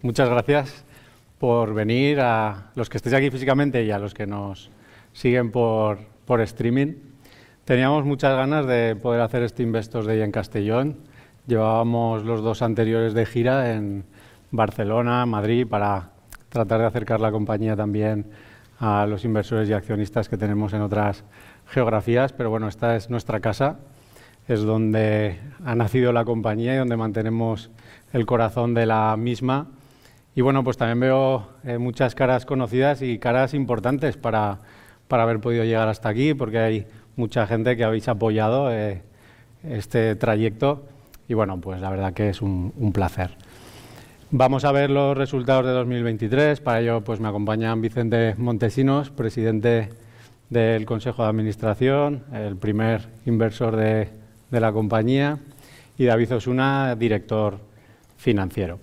Muchas gracias por venir, a los que estáis aquí físicamente y a los que nos siguen por streaming. Teníamos muchas ganas de poder hacer este Investor's Day en Castellón; llevábamos los dos anteriores de gira en Barcelona, Madrid, para tratar de acercar la compañía también a los inversores y accionistas que tenemos en otras geografías. Esta es nuestra casa, es donde ha nacido la compañía y donde mantenemos el corazón de la misma. También veo muchas caras conocidas y caras importantes para haber podido llegar hasta aquí, porque hay mucha gente que habéis apoyado este trayecto. La verdad que es un placer. Vamos a ver los resultados de 2023; para ello me acompañan Vicente Montesinos, Presidente del Consejo de Administración, el primer inversor de la compañía, y David Osuna, Director Financiero.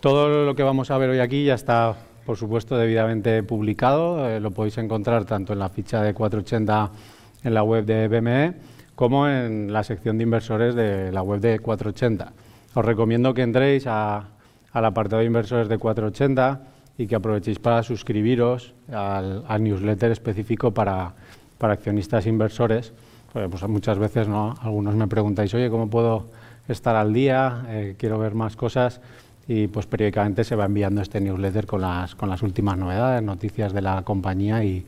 Todo lo que vamos a ver hoy aquí ya está, por supuesto, debidamente publicado; lo podéis encontrar tanto en la ficha de Cuatroochenta en la web de BME como en la sección de inversores de la web de Cuatroochenta. Os recomiendo que entréis al apartado de inversores de Cuatroochenta y que aprovechéis para suscribiros al newsletter específico para accionistas e inversores, porque muchas veces algunos me preguntáis: "Oye, ¿cómo puedo estar al día? Quiero ver más cosas". Periódicamente se va enviando este newsletter con las últimas novedades, noticias de la compañía y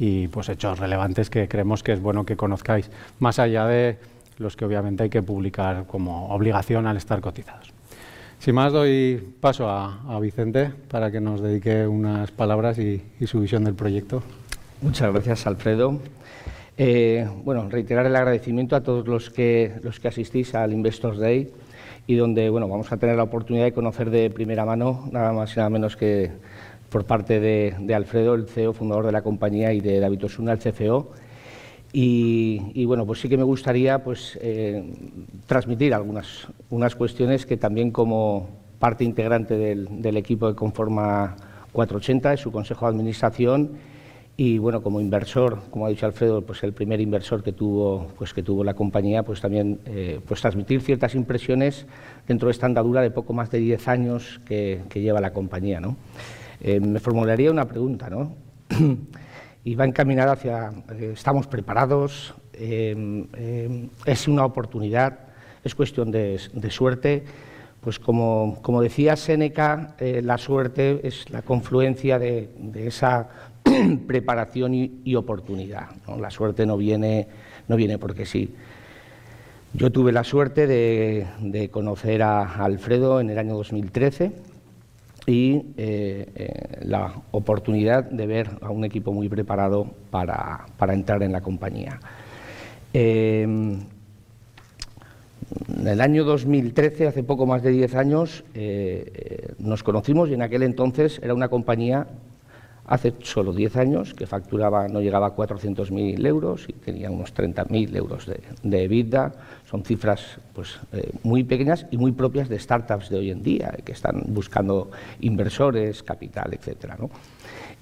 hechos relevantes que creemos que es bueno que conozcáis, más allá de los que obviamente hay que publicar como obligación al estar cotizados. Sin más, doy paso a Vicente para que nos dedique unas palabras y su visión del proyecto. Muchas gracias, Alfredo. Bueno, reiterar el agradecimiento a todos los que asistís al Investor's Day y donde vamos a tener la oportunidad de conocer de primera mano, nada más y nada menos que por parte de Alfredo, el CEO fundador de la compañía y de David Osuna, el CFO. Y bueno, sí que me gustaría transmitir algunas cuestiones que también, como parte integrante del equipo que conforma Cuatroochenta, es su consejo de administración y, bueno, como inversor, como ha dicho Alfredo, el primer inversor que tuvo la compañía, también transmitir ciertas impresiones dentro de esta andadura de poco más de diez años que lleva la compañía. Me formularía una pregunta, y va encaminada hacia "¿estamos preparados? ¿Es una oportunidad? ¿Es cuestión de suerte?" Como decía Séneca, la suerte es la confluencia de esa preparación y oportunidad; la suerte no viene porque sí. Yo tuve la suerte de conocer a Alfredo en el año 2013 y la oportunidad de ver a un equipo muy preparado para entrar en la compañía. En el año 2013, hace poco más de diez años, nos conocimos y en aquel entonces era una compañía, hace solo diez años, que facturaba, no llegaba a €400.000 y tenía unos €30.000 de EBITDA; son cifras muy pequeñas y muy propias de startups de hoy en día, que están buscando inversores, capital, etcétera.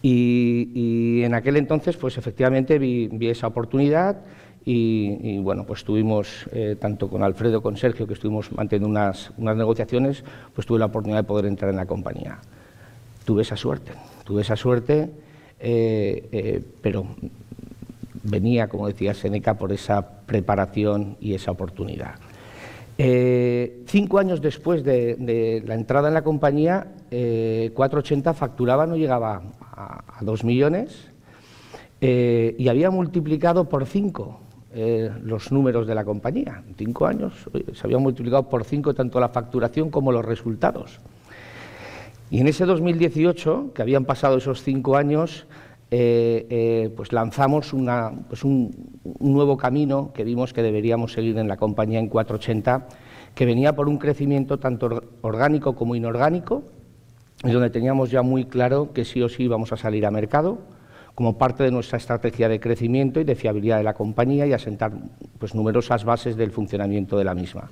En aquel entonces, efectivamente, vi esa oportunidad y tuvimos, tanto con Alfredo como con Sergio, que estuvimos manteniendo unas negociaciones, tuve la oportunidad de poder entrar en la compañía. Tuve esa suerte, pero venía, como decía Séneca, por esa preparación y esa oportunidad. Cinco años después de la entrada en la compañía, Cuatroochenta facturaba, no llegaba a €2 millones, y había multiplicado por cinco los números de la compañía. En cinco años se había multiplicado por cinco tanto la facturación como los resultados. En ese 2018, que habían pasado esos cinco años, lanzamos un nuevo camino que vimos que deberíamos seguir en la compañía en Cuatroochenta, que venía por un crecimiento tanto orgánico como inorgánico, y donde teníamos ya muy claro que sí o sí vamos a salir a mercado como parte de nuestra estrategia de crecimiento y de fiabilidad de la compañía, y asentar numerosas bases del funcionamiento de la misma.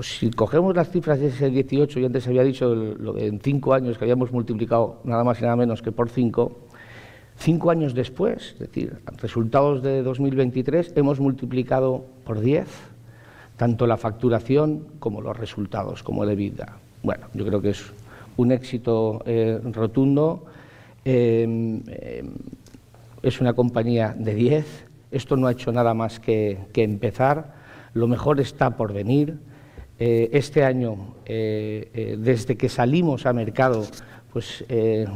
Si cogemos las cifras de ese 2018, yo antes había dicho en cinco años que habíamos multiplicado nada más y nada menos que por cinco. Cinco años después, es decir, resultados de 2023, hemos multiplicado por diez tanto la facturación como los resultados, como el EBITDA. Bueno, yo creo que es un éxito rotundo. Es una compañía de diez, esto no ha hecho nada más que empezar, lo mejor está por venir. Este año, desde que salimos a mercado,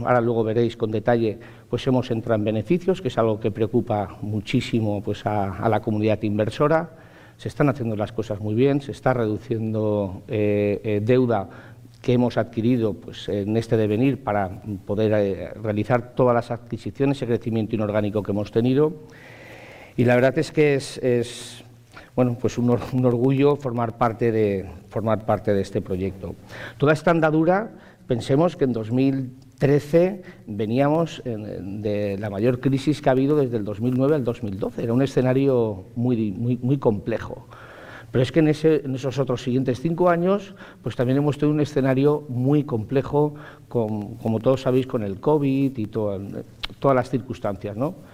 ahora luego veréis con detalle, hemos entrado en beneficios, que es algo que preocupa muchísimo a la comunidad inversora. Se están haciendo las cosas muy bien, se está reduciendo deuda que hemos adquirido en este devenir para poder realizar todas las adquisiciones y crecimiento inorgánico que hemos tenido. Y la verdad es que es un orgullo formar parte de este proyecto. Toda esta andadura, pensemos que en 2013 veníamos de la mayor crisis que ha habido desde el 2009 al 2012, era un escenario muy complejo. Pero es que en esos otros siguientes cinco años también hemos tenido un escenario muy complejo, como todos sabéis, con el COVID y todas las circunstancias. Bueno, pues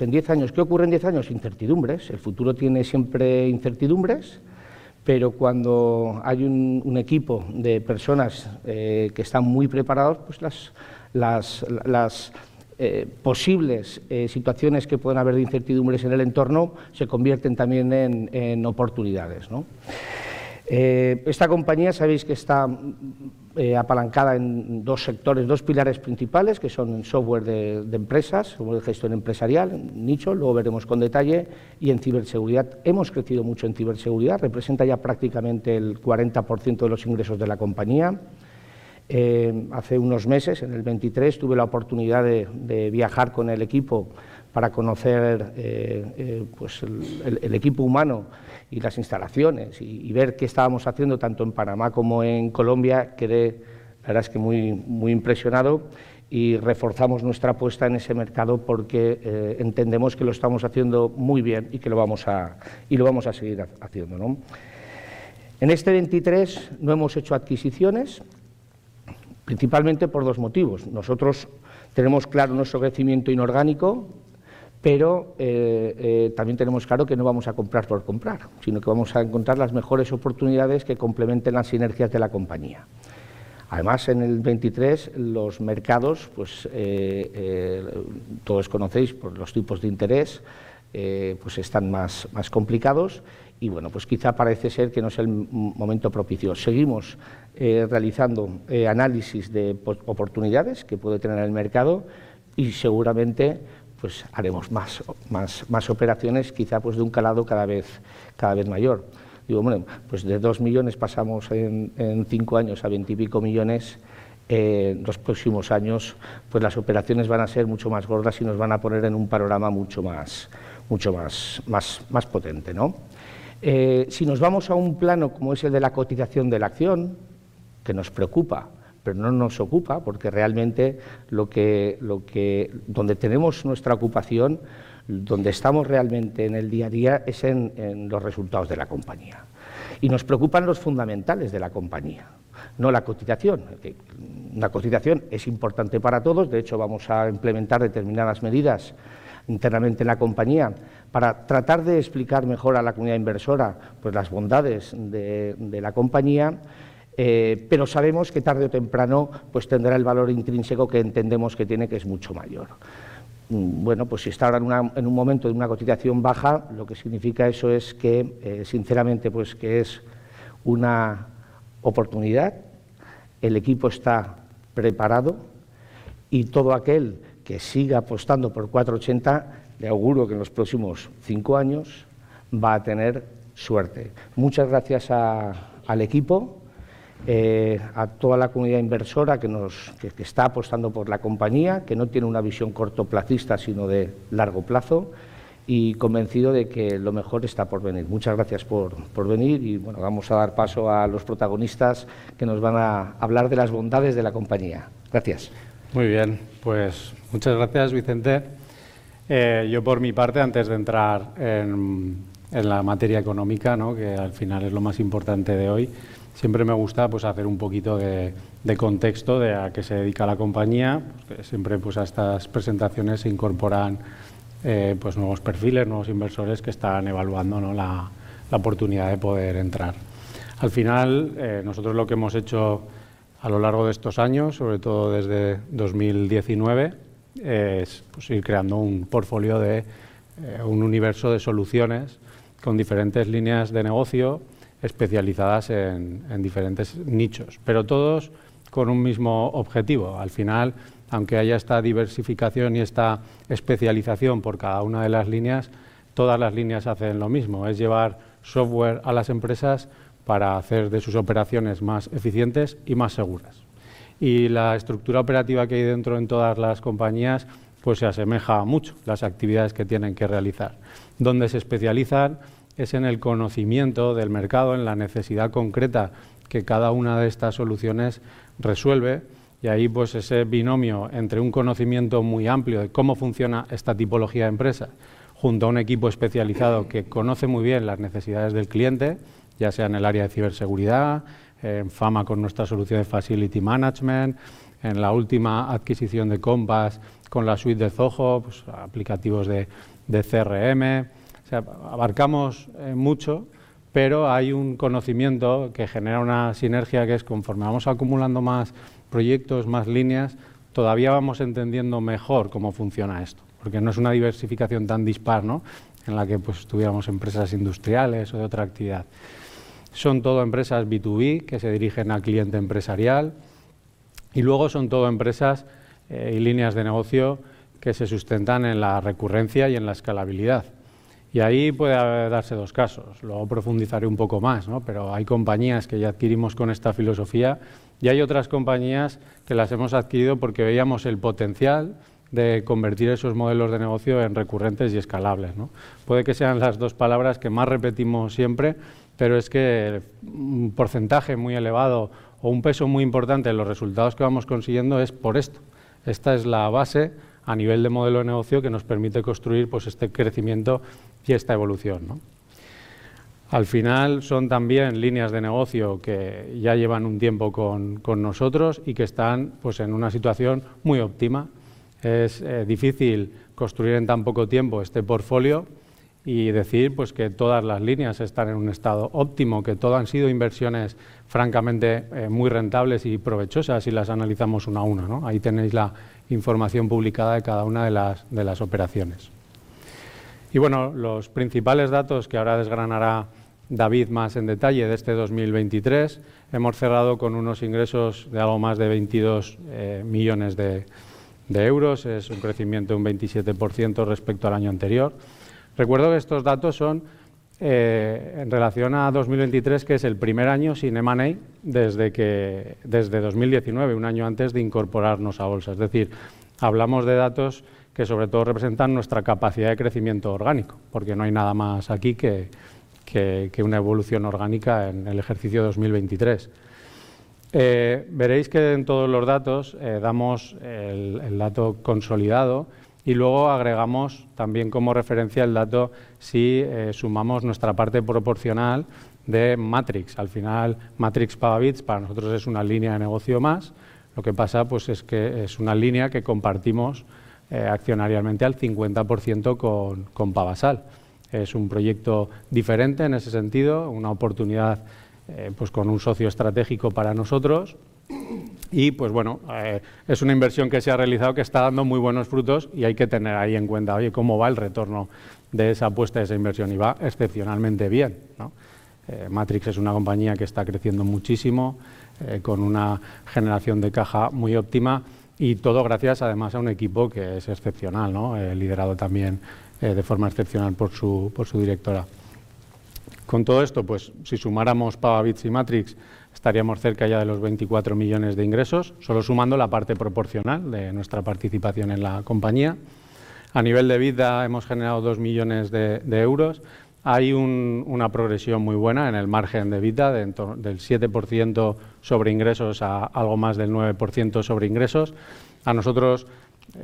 en diez años, ¿qué ocurre en diez años? Incertidumbres; el futuro tiene siempre incertidumbres, pero cuando hay un equipo de personas que están muy preparadas, las posibles situaciones que pueden haber de incertidumbres en el entorno se convierten también en oportunidades. Esta compañía sabéis que está apalancada en dos sectores, dos pilares principales, que son en software de empresas, software de gestión empresarial, nicho; luego veremos con detalle, y en ciberseguridad. Hemos crecido mucho en ciberseguridad, representa ya prácticamente el 40% de los ingresos de la compañía. Hace unos meses, en el 23, tuve la oportunidad de viajar con el equipo para conocer el equipo humano y las instalaciones, y ver qué estábamos haciendo tanto en Panamá como en Colombia. Quedé, la verdad, muy impresionado, y reforzamos nuestra apuesta en ese mercado porque entendemos que lo estamos haciendo muy bien y que lo vamos a seguir haciendo. En 2023 no hemos hecho adquisiciones, principalmente por dos motivos: nosotros tenemos claro nuestro crecimiento inorgánico, pero también tenemos claro que no vamos a comprar por comprar, sino que vamos a encontrar las mejores oportunidades que complementen las sinergias de la compañía. Además, en 2023 los mercados, todos conocéis por los tipos de interés, están más complicados, y quizá parece ser que no es el momento propicio. Seguimos realizando análisis de oportunidades que puede tener el mercado, y seguramente haremos más operaciones, quizá de un calado cada vez mayor. Digo, bueno, pues de $2 millones pasamos en cinco años a $20 millones; los próximos años las operaciones van a ser mucho más gordas y nos van a poner en un panorama mucho más potente. Si nos vamos a un plano como es el de la cotización de la acción, que nos preocupa, pero no nos ocupa, porque realmente donde tenemos nuestra ocupación, donde estamos realmente en el día a día, es en los resultados de la compañía. Nos preocupan los fundamentales de la compañía, no la cotización. La cotización es importante para todos; de hecho, vamos a implementar determinadas medidas internamente en la compañía para tratar de explicar mejor a la comunidad inversora las bondades de la compañía, pero sabemos que tarde o temprano tendrá el valor intrínseco que entendemos que tiene, que es mucho mayor. Bueno, pues si está ahora en un momento de una cotización baja, lo que significa eso es que, sinceramente, es una oportunidad; el equipo está preparado, y todo aquel que siga apostando por Cuatroochenta, le auguro que en los próximos cinco años va a tener suerte. Muchas gracias al equipo, a toda la comunidad inversora que está apostando por la compañía, que no tiene una visión cortoplacista, sino de largo plazo, y convencido de que lo mejor está por venir. Muchas gracias por venir, y bueno, vamos a dar paso a los protagonistas que nos van a hablar de las bondades de la compañía. Gracias. Muy bien, pues muchas gracias, Vicente. Yo por mi parte, antes de entrar en la materia económica, que al final es lo más importante de hoy, siempre me gusta hacer un poquito de contexto de a qué se dedica la compañía. Siempre a estas presentaciones se incorporan nuevos perfiles, nuevos inversores que están evaluando la oportunidad de poder entrar. Al final, nosotros lo que hemos hecho a lo largo de estos años, sobre todo desde 2019, es ir creando un portfolio de un universo de soluciones con diferentes líneas de negocio especializadas en diferentes nichos, pero todos con un mismo objetivo. Al final, aunque haya esta diversificación y esta especialización por cada una de las líneas, todas las líneas hacen lo mismo: es llevar software a las empresas para hacer de sus operaciones más eficientes y más seguras. Y la estructura operativa que hay dentro en todas las compañías se asemeja mucho a las actividades que tienen que realizar. ¿Dónde se especializan? Es en el conocimiento del mercado, en la necesidad concreta que cada una de estas soluciones resuelve, y ahí ese binomio entre un conocimiento muy amplio de cómo funciona esta tipología de empresa, junto a un equipo especializado que conoce muy bien las necesidades del cliente, ya sea en el área de ciberseguridad, en Facility Management con nuestras soluciones, en la última adquisición de Compass con la suite de Zoho aplicativos de CRM. O sea, abarcamos mucho, pero hay un conocimiento que genera una sinergia que es, conforme vamos acumulando más proyectos, más líneas, todavía vamos entendiendo mejor cómo funciona esto, porque no es una diversificación tan dispar en la que tuviéramos empresas industriales o de otra actividad. Son todas empresas B2B que se dirigen a cliente empresarial, y luego son todas empresas y líneas de negocio que se sustentan en la recurrencia y en la escalabilidad. Y ahí puede darse dos casos; luego profundizaré un poco más, pero hay compañías que ya adquirimos con esta filosofía, y hay otras compañías que las hemos adquirido porque veíamos el potencial de convertir esos modelos de negocio en recurrentes y escalables. Puede que sean las dos palabras que más repetimos siempre, pero es que un porcentaje muy elevado o un peso muy importante en los resultados que vamos consiguiendo es por esto. Esta es la base a nivel de modelo de negocio que nos permite construir este crecimiento y esta evolución. Al final, son también líneas de negocio que ya llevan un tiempo con nosotros y que están en una situación muy óptima. Es difícil construir en tan poco tiempo este portfolio y decir que todas las líneas están en un estado óptimo, que todas han sido inversiones francamente muy rentables y provechosas si las analizamos una a una. Ahí tenéis la información publicada de cada una de las operaciones. Los principales datos que ahora desgranará David más en detalle de este 2023: hemos cerrado con unos ingresos de algo más de €22 millones, es un crecimiento de un 27% respecto al año anterior. Recuerdo que estos datos son en relación a 2023, que es el primer año sin M&A desde 2019, un año antes de incorporarnos a bolsa. Es decir, hablamos de datos que sobre todo representan nuestra capacidad de crecimiento orgánico, porque no hay nada más aquí que una evolución orgánica en el ejercicio 2023. Veréis que en todos los datos damos el dato consolidado, y luego agregamos también como referencia el dato si sumamos nuestra parte proporcional de Matrix. Al final, Matrix Pavabits para nosotros es una línea de negocio más; lo que pasa es que es una línea que compartimos accionarialmente al 50% con Pavasal. Es un proyecto diferente en ese sentido, una oportunidad con un socio estratégico para nosotros, y es una inversión que se ha realizado que está dando muy buenos frutos, y hay que tener ahí en cuenta cómo va el retorno de esa apuesta, de esa inversión, y va excepcionalmente bien. Matrix es una compañía que está creciendo muchísimo, con una generación de caja muy óptima, y todo gracias, además, a un equipo que es excepcional, liderado también de forma excepcional por su Directora. Con todo esto, si sumáramos Pavabits y Matrix, estaríamos cerca ya de los €24 millones de ingresos, solo sumando la parte proporcional de nuestra participación en la compañía. A nivel de EBITDA, hemos generado €2 millones; hay una progresión muy buena en el margen de EBITDA, del 7% sobre ingresos a algo más del 9% sobre ingresos. A nosotros,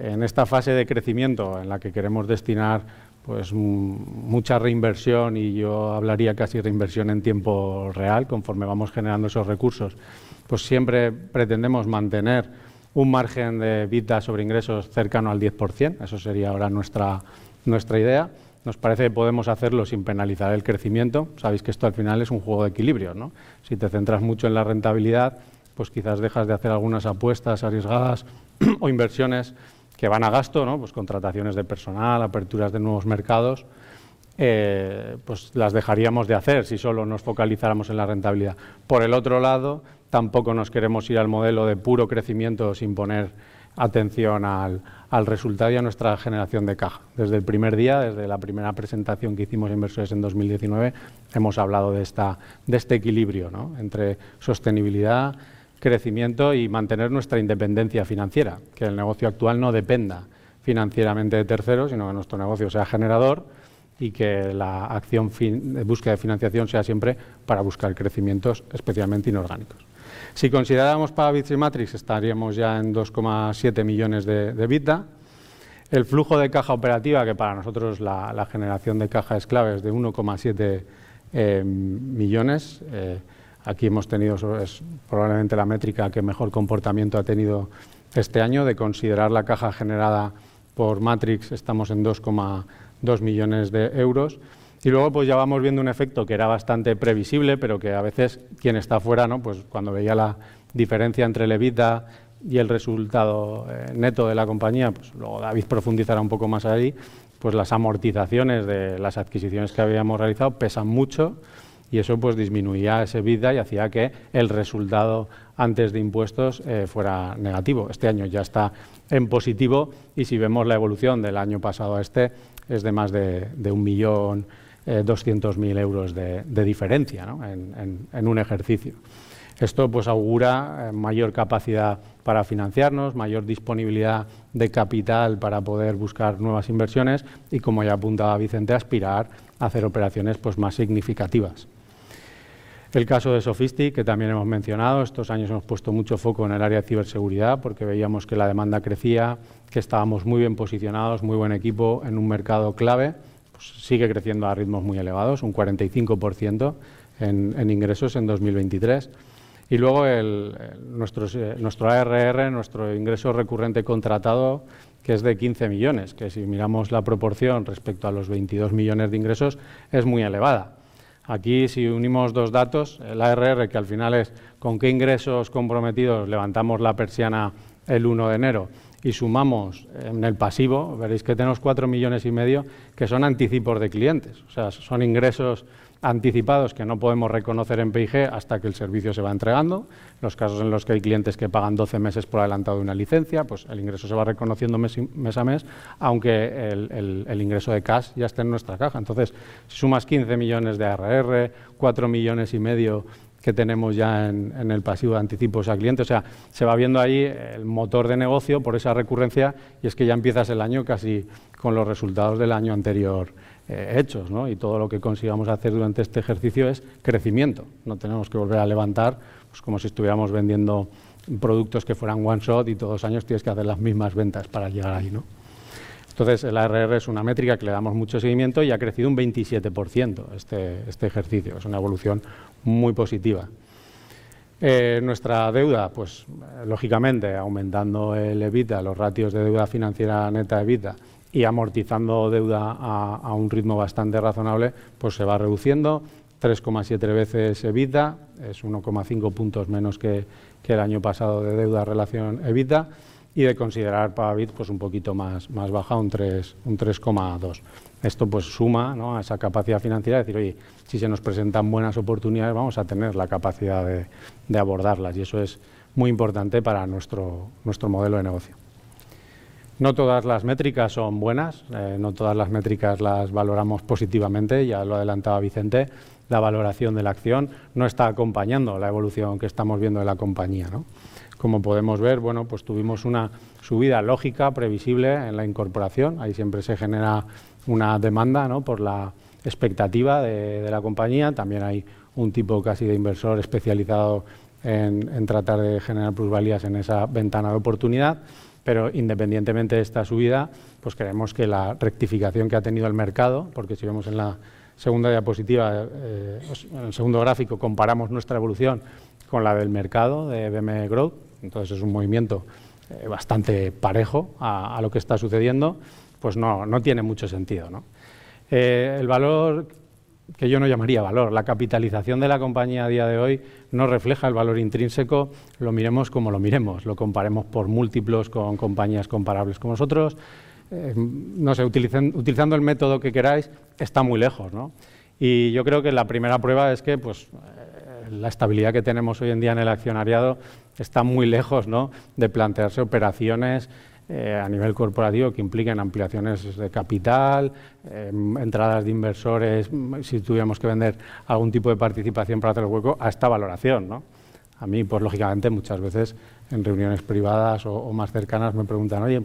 en esta fase de crecimiento en la que queremos destinar mucha reinversión, y yo hablaría casi reinversión en tiempo real conforme vamos generando esos recursos, siempre pretendemos mantener un margen de EBITDA sobre ingresos cercano al 10%; eso sería ahora nuestra idea. Nos parece que podemos hacerlo sin penalizar el crecimiento. Sabéis que esto al final es un juego de equilibrios: si te centras mucho en la rentabilidad, quizás dejas de hacer algunas apuestas arriesgadas o inversiones que van a gasto, contrataciones de personal, aperturas de nuevos mercados, las dejaríamos de hacer si solo nos focalizáramos en la rentabilidad. Por el otro lado, tampoco nos queremos ir al modelo de puro crecimiento sin poner atención al resultado y a nuestra generación de caja. Desde el primer día, desde la primera presentación que hicimos a inversores en 2019, hemos hablado de este equilibrio entre sostenibilidad, crecimiento y mantener nuestra independencia financiera, que el negocio actual no dependa financieramente de terceros, sino que nuestro negocio sea generador, y que la acción de búsqueda de financiación sea siempre para buscar crecimientos, especialmente inorgánicos. Si consideráramos Pavabits y Matrix, estaríamos ya en €2,7 millones de vida. El flujo de caja operativa, que para nosotros la generación de caja es clave, es de €1,7 millones. Aquí hemos tenido, es probablemente la métrica que mejor comportamiento ha tenido este año de considerar la caja generada por Matrix; estamos en €2,2 millones. Y luego ya vamos viendo un efecto que era bastante previsible, pero que a veces quien está fuera, cuando veía la diferencia entre el EBITDA y el resultado neto de la compañía, luego David profundizará un poco más ahí, las amortizaciones de las adquisiciones que habíamos realizado pesan mucho, y eso disminuía ese EBITDA y hacía que el resultado antes de impuestos fuera negativo. Este año ya está en positivo, y si vemos la evolución del año pasado a este, es de más de €1,2 millones de diferencia en un ejercicio. Esto augura mayor capacidad para financiarnos, mayor disponibilidad de capital para poder buscar nuevas inversiones, y como ya apuntaba Vicente, aspirar a hacer operaciones más significativas. El caso de Sofistic, que también hemos mencionado, estos años hemos puesto mucho foco en el área de ciberseguridad porque veíamos que la demanda crecía, que estábamos muy bien posicionados, muy buen equipo en un mercado clave, sigue creciendo a ritmos muy elevados, un 45% en ingresos en 2023. Y luego nuestro ARR, nuestro ingreso recurrente contratado, que es de €15 millones, que si miramos la proporción respecto a los €22 millones de ingresos, es muy elevada. Aquí, si unimos dos datos, el ARR, que al final es con qué ingresos comprometidos levantamos la persiana el 1 de enero, y sumamos en el pasivo, veréis que tenemos €4.5 millones que son anticipos de clientes. O sea, son ingresos anticipados que no podemos reconocer en P&L hasta que el servicio se va entregando. Los casos en los que hay clientes que pagan 12 meses por adelantado una licencia, el ingreso se va reconociendo mes a mes, aunque el ingreso de cash ya esté en nuestra caja. Entonces, si sumas $15 millones de ARR, $4.5 millones que tenemos ya en el pasivo de anticipos a clientes, o sea, se va viendo ahí el motor de negocio por esa recurrencia, y es que ya empiezas el año casi con los resultados del año anterior hechos. Y todo lo que consigamos hacer durante este ejercicio es crecimiento; no tenemos que volver a levantar como si estuviéramos vendiendo productos que fueran one shot, y todos los años tienes que hacer las mismas ventas para llegar ahí. Entonces, el ARR es una métrica que le damos mucho seguimiento y ha crecido un 27% este ejercicio; es una evolución muy positiva. Nuestra deuda, lógicamente, aumentando el EBITDA, los ratios de deuda financiera neta EBITDA, y amortizando deuda a un ritmo bastante razonable, se va reduciendo: 3,7 veces EBITDA, es 1,5 puntos menos que el año pasado de deuda relación EBITDA, y de considerar Pavabits un poquito más baja, un 3,2. Esto suma a esa capacidad financiera de decir: "Oye, si se nos presentan buenas oportunidades, vamos a tener la capacidad de abordarlas", y eso es muy importante para nuestro modelo de negocio. No todas las métricas son buenas, no todas las métricas las valoramos positivamente, ya lo adelantaba Vicente. La valoración de la acción no está acompañando la evolución que estamos viendo de la compañía. Como podemos ver, tuvimos una subida lógica, previsible en la incorporación; ahí siempre se genera una demanda por la expectativa de la compañía. También hay un tipo casi de inversor especializado en tratar de generar plusvalías en esa ventana de oportunidad, pero independientemente de esta subida, creemos que la rectificación que ha tenido el mercado, porque si vemos en la segunda diapositiva, en el segundo gráfico, comparamos nuestra evolución con la del mercado de BME Growth, entonces es un movimiento bastante parejo a lo que está sucediendo, no tiene mucho sentido. El valor que yo no llamaría valor, la capitalización de la compañía a día de hoy no refleja el valor intrínseco; lo miremos como lo miremos, lo comparemos por múltiplos con compañías comparables con nosotros, no sé, utilizando el método que queráis, está muy lejos. Y yo creo que la primera prueba es que la estabilidad que tenemos hoy en día en el accionariado está muy lejos de plantearse operaciones a nivel corporativo que impliquen ampliaciones de capital, entradas de inversores, si tuviéramos que vender algún tipo de participación para hacer el hueco, a esta valoración. A mí, lógicamente, muchas veces en reuniones privadas o más cercanas me preguntan: "Oye,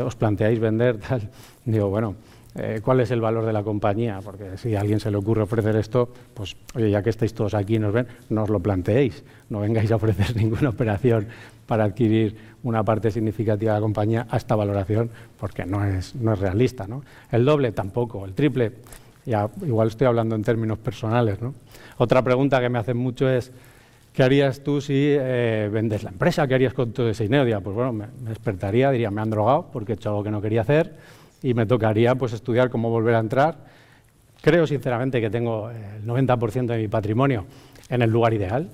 ¿os planteáis vender tal?". Digo: "Bueno, ¿cuál es el valor de la compañía? Porque si a alguien se le ocurre ofrecer esto, oye, ya que estáis todos aquí y nos ven, no os lo planteéis, no vengáis a ofrecer ninguna operación para adquirir una parte significativa de la compañía a esta valoración, porque no es realista". El doble tampoco, el triple; igual estoy hablando en términos personales. Otra pregunta que me hacen mucho es: "¿Qué harías tú si vendes la empresa?" ¿Qué harías con todo ese dinero? Bueno, me despertaría, diría: "Me han drogado porque he hecho algo que no quería hacer, y me tocaría estudiar cómo volver a entrar". Creo sinceramente que tengo el 90% de mi patrimonio en el lugar ideal,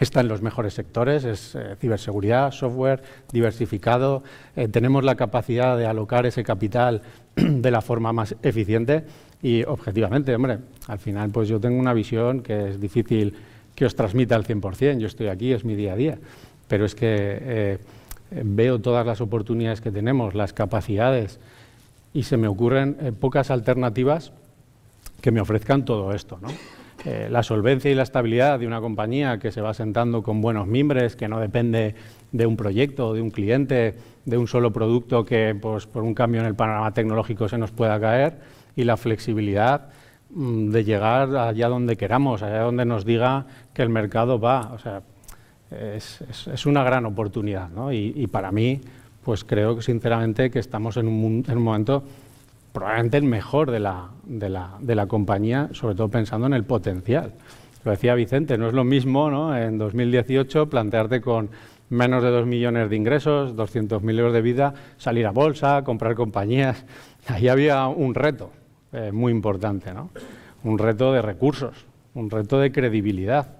está en los mejores sectores, es ciberseguridad, software diversificado, tenemos la capacidad de alocar ese capital de la forma más eficiente. Y objetivamente, hombre, al final yo tengo una visión que es difícil que os transmita al 100%; yo estoy aquí, es mi día a día, pero es que veo todas las oportunidades que tenemos, las capacidades, y se me ocurren pocas alternativas que me ofrezcan todo esto. La solvencia y la estabilidad de una compañía que se va sentando con buenos mimbres, que no depende de un proyecto o de un cliente, de un solo producto que por un cambio en el panorama tecnológico se nos pueda caer, y la flexibilidad de llegar allá donde queramos, allá donde nos diga que el mercado va. Es una gran oportunidad, y para mí creo sinceramente que estamos en un momento, probablemente el mejor de la compañía, sobre todo pensando en el potencial. Lo decía Vicente: "No es lo mismo en 2018 plantearte con menos de €2 millones de ingresos, €200.000 de vida, salir a bolsa, comprar compañías". Ahí había un reto muy importante, un reto de recursos, un reto de credibilidad.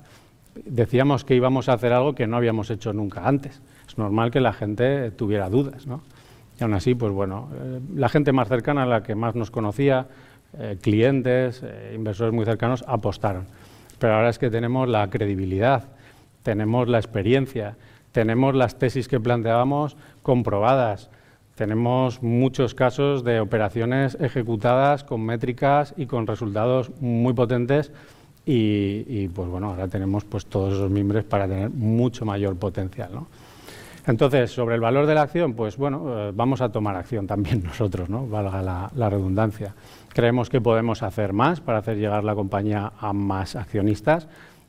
Decíamos que íbamos a hacer algo que no habíamos hecho nunca antes; es normal que la gente tuviera dudas. Y aun así, la gente más cercana, la que más nos conocía, clientes, inversores muy cercanos, apostaron. Pero ahora es que tenemos la credibilidad, tenemos la experiencia, tenemos las tesis que planteábamos comprobadas, tenemos muchos casos de operaciones ejecutadas con métricas y con resultados muy potentes, y ahora tenemos todos esos mimbres para tener mucho mayor potencial. Entonces, sobre el valor de la acción, vamos a tomar acción también nosotros, valga la redundancia. Creemos que podemos hacer más para hacer llegar la compañía a más accionistas,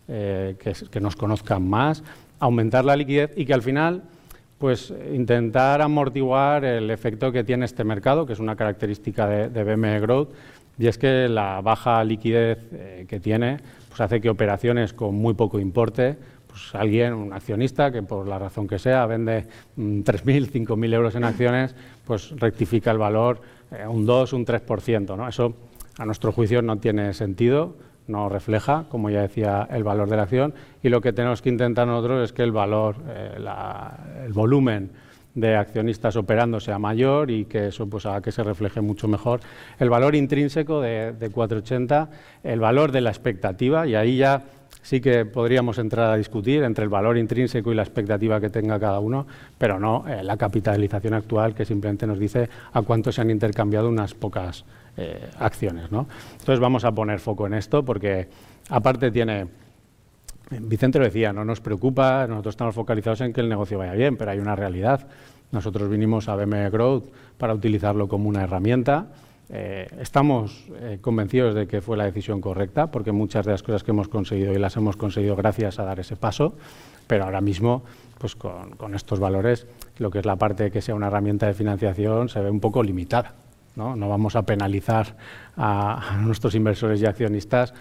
que nos conozcan más, aumentar la liquidez, y que al final intentar amortiguar el efecto que tiene este mercado, que es una característica de BM Growth, y es que la baja liquidez que tiene hace que operaciones con muy poco importe, alguien, un accionista que por la razón que sea vende €3,000, €5,000 en acciones, rectifique el valor un 2%, un 3%. Eso, a nuestro juicio, no tiene sentido, no refleja, como ya decía, el valor de la acción, y lo que tenemos que intentar nosotros es que el valor, el volumen de accionistas operando sea mayor, y que eso haga que se refleje mucho mejor el valor intrínseco de €480, el valor de la expectativa, y ahí ya sí que podríamos entrar a discutir entre el valor intrínseco y la expectativa que tenga cada uno, pero no la capitalización actual, que simplemente nos dice a cuánto se han intercambiado unas pocas acciones. Entonces, vamos a poner foco en esto, porque aparte tiene, Vicente lo decía, no nos preocupa, nosotros estamos focalizados en que el negocio vaya bien, pero hay una realidad: nosotros vinimos a BM Growth para utilizarlo como una herramienta. Estamos convencidos de que fue la decisión correcta, porque muchas de las cosas que hemos conseguido hoy las hemos conseguido gracias a dar ese paso, pero ahora mismo, con estos valores, lo que es la parte que sea una herramienta de financiación se ve un poco limitada. No vamos a penalizar a nuestros inversores y accionistas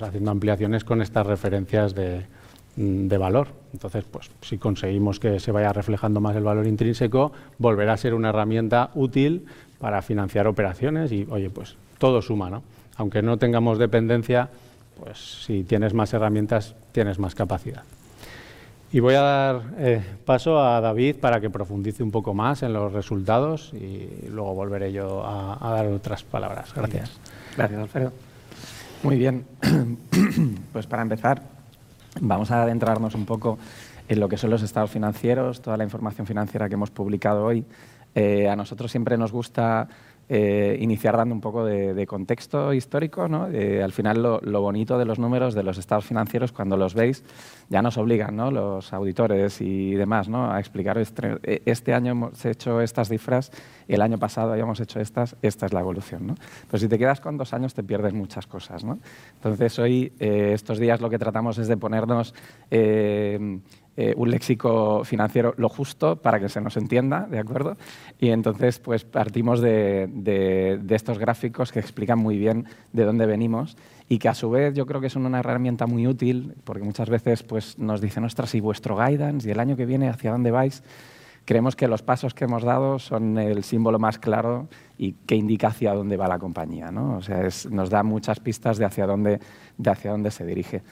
haciendo ampliaciones con estas referencias de valor. Entonces, si conseguimos que se vaya reflejando más el valor intrínseco, volverá a ser una herramienta útil para financiar operaciones, y oye, todo suma. Aunque no tengamos dependencia, si tienes más herramientas, tienes más capacidad. Y voy a dar paso a David para que profundice un poco más en los resultados, y luego volveré yo a dar otras palabras. Gracias. Gracias, Alfredo. Muy bien. Para empezar, vamos a adentrarnos un poco en lo que son los estados financieros, toda la información financiera que hemos publicado hoy. A nosotros siempre nos gusta iniciar dando un poco de contexto histórico. Al final, lo bonito de los números, de los estados financieros, cuando los veis, ya nos obligan los auditores y demás a explicar: "Este año hemos hecho estas cifras, el año pasado habíamos hecho estas, esta es la evolución". Pero si te quedas con dos años, te pierdes muchas cosas. Entonces, hoy, estos días lo que tratamos es de ponernos un léxico financiero lo justo para que se nos entienda, ¿de acuerdo? Y entonces partimos de estos gráficos que explican muy bien de dónde venimos, y que a su vez yo creo que son una herramienta muy útil, porque muchas veces nos dicen: "Ostras, ¿y vuestro guidance?" ¿Y el año que viene hacia dónde vais? Creemos que los pasos que hemos dado son el símbolo más claro y que indica hacia dónde va la compañía. O sea, nos da muchas pistas de hacia dónde se dirige.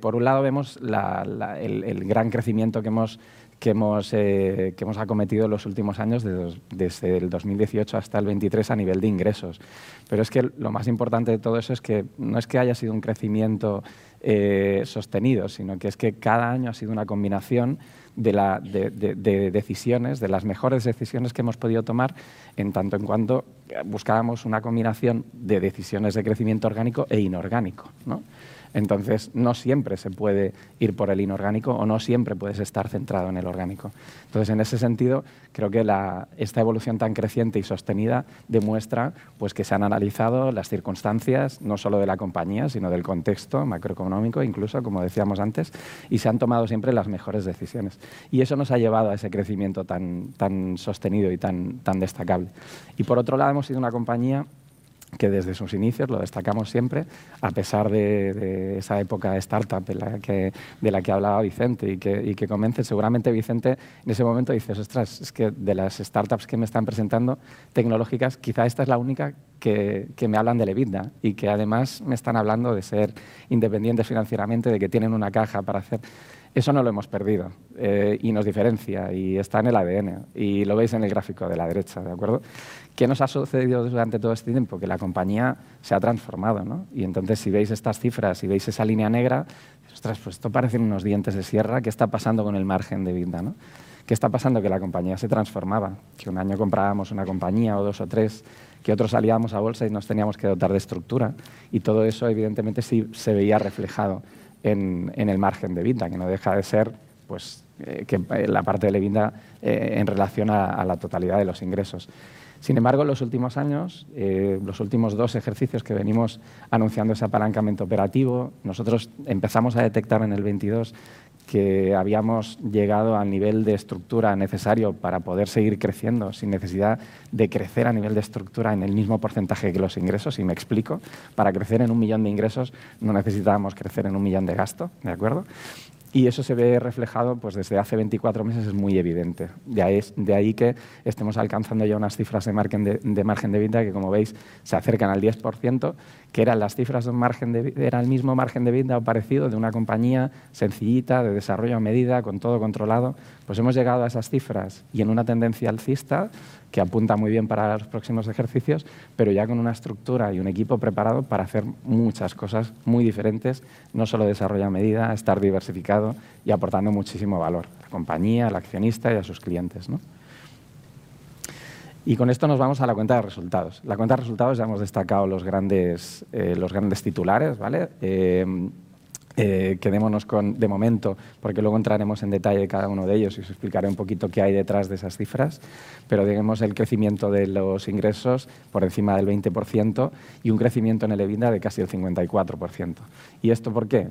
Por un lado, vemos el gran crecimiento que hemos acometido en los últimos años, desde 2018 hasta 2023, a nivel de ingresos. Pero es que lo más importante de todo eso es que no es que haya sido un crecimiento sostenido, sino que es que cada año ha sido una combinación de decisiones, de las mejores decisiones que hemos podido tomar, en tanto en cuanto buscábamos una combinación de decisiones de crecimiento orgánico e inorgánico. Entonces, no siempre se puede ir por el inorgánico o no siempre puedes estar centrado en el orgánico. Entonces, en ese sentido, creo que esta evolución tan creciente y sostenida demuestra que se han analizado las circunstancias, no solo de la compañía, sino del contexto macroeconómico, incluso, como decíamos antes, y se han tomado siempre las mejores decisiones. Eso nos ha llevado a ese crecimiento tan sostenido y tan destacable. Por otro lado, hemos sido una compañía que desde sus inicios, lo destacamos siempre, a pesar de esa época de startup de la que hablaba Vicente y que comenzó, seguramente Vicente en ese momento dices: "Ostras, es que de las startups que me están presentando, tecnológicas, quizá esta es la única que me hablan del EBITDA, y que además me están hablando de ser independientes financieramente, de que tienen una caja para hacer". Eso no lo hemos perdido, y nos diferencia, y está en el ADN, y lo veis en el gráfico de la derecha. ¿Qué nos ha sucedido durante todo este tiempo? Que la compañía se ha transformado. Y entonces, si veis estas cifras y veis esa línea negra, es: "Ostras, esto parecen unos dientes de sierra". ¿Qué está pasando con el margen de EBITDA? ¿Qué está pasando? Que la compañía se transformaba, que un año comprábamos una compañía o dos o tres, que otro salíamos a bolsa y nos teníamos que dotar de estructura, y todo eso, evidentemente, sí se veía reflejado en el margen de EBITDA, que no deja de ser la parte del EBITDA en relación a la totalidad de los ingresos. Sin embargo, en los últimos años, los últimos dos ejercicios que venimos anunciando ese apalancamiento operativo, nosotros empezamos a detectar en el 22 que habíamos llegado al nivel de estructura necesario para poder seguir creciendo, sin necesidad de crecer a nivel de estructura en el mismo porcentaje que los ingresos. Y me explico: para crecer en un millón de ingresos no necesitábamos crecer en un millón de gastos, ¿de acuerdo? Y eso se ve reflejado desde hace 24 meses, es muy evidente. De ahí que estemos alcanzando ya unas cifras de margen de EBITDA que, como veis, se acercan al 10%, que eran las cifras de un margen de EBITDA, era el mismo margen de EBITDA o parecido, de una compañía sencillita, de desarrollo a medida, con todo controlado. Hemos llegado a esas cifras y en una tendencia alcista que apunta muy bien para los próximos ejercicios, pero ya con una estructura y un equipo preparado para hacer muchas cosas muy diferentes, no solo desarrollo a medida, estar diversificado y aportando muchísimo valor a la compañía, al accionista y a sus clientes. Y con esto nos vamos a la cuenta de resultados. La cuenta de resultados ya hemos destacado los grandes titulares. Quedémonos con, de momento, porque luego entraremos en detalle de cada uno de ellos y os explicaré un poquito qué hay detrás de esas cifras. Pero tenemos el crecimiento de los ingresos por encima del 20% y un crecimiento en el EBITDA de casi el 54%. ¿Y esto por qué?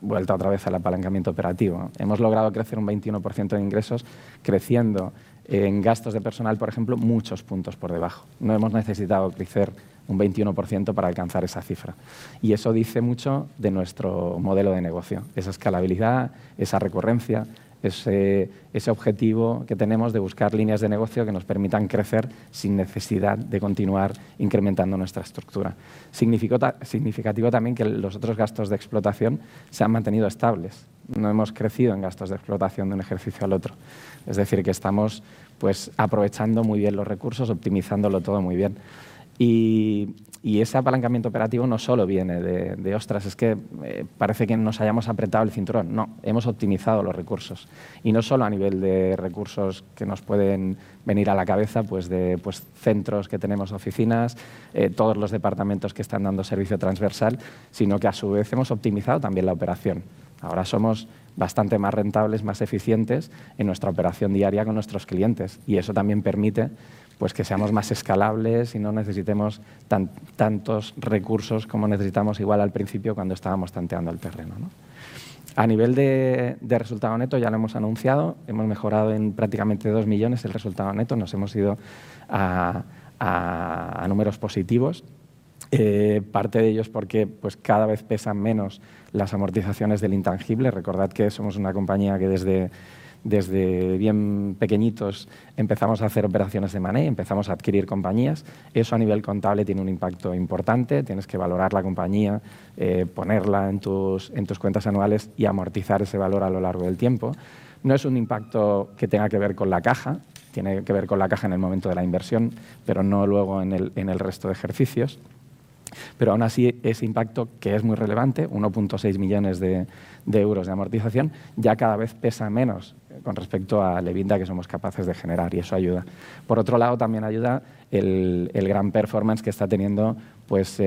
Vuelta otra vez al apalancamiento operativo. Hemos logrado crecer un 21% en ingresos, creciendo en gastos de personal, por ejemplo, muchos puntos por debajo. No hemos necesitado crecer un 21% para alcanzar esa cifra. Eso dice mucho de nuestro modelo de negocio, esa escalabilidad, esa recurrencia, ese objetivo que tenemos de buscar líneas de negocio que nos permitan crecer sin necesidad de continuar incrementando nuestra estructura. Significativo también que los otros gastos de explotación se han mantenido estables. No hemos crecido en gastos de explotación de un ejercicio al otro. Es decir, que estamos aprovechando muy bien los recursos, optimizándolo todo muy bien. Ese apalancamiento operativo no solo viene de que parece que nos hayamos apretado el cinturón. No, hemos optimizado los recursos. No solo a nivel de recursos que nos pueden venir a la cabeza, de centros que tenemos, oficinas, todos los departamentos que están dando servicio transversal, sino que a su vez hemos optimizado también la operación. Ahora somos bastante más rentables, más eficientes en nuestra operación diaria con nuestros clientes, y eso también permite que seamos más escalables y no necesitemos tantos recursos como necesitábamos al principio cuando estábamos tanteando el terreno. A nivel de resultado neto ya lo hemos anunciado, hemos mejorado en prácticamente €2 millones el resultado neto, nos hemos ido a números positivos. Parte de ellos porque cada vez pesan menos las amortizaciones del intangible. Recordad que somos una compañía que desde bien pequeñitos empezamos a hacer operaciones de M&A, empezamos a adquirir compañías. Eso a nivel contable tiene un impacto importante, tienes que valorar la compañía, ponerla en tus cuentas anuales y amortizar ese valor a lo largo del tiempo. No es un impacto que tenga que ver con la caja, tiene que ver con la caja en el momento de la inversión, pero no luego en el resto de ejercicios. Pero aun así, ese impacto que es muy relevante, 1.6 millones de euros de amortización, ya cada vez pesa menos con respecto al EBITDA que somos capaces de generar, y eso ayuda. Por otro lado, también ayuda el gran performance que está teniendo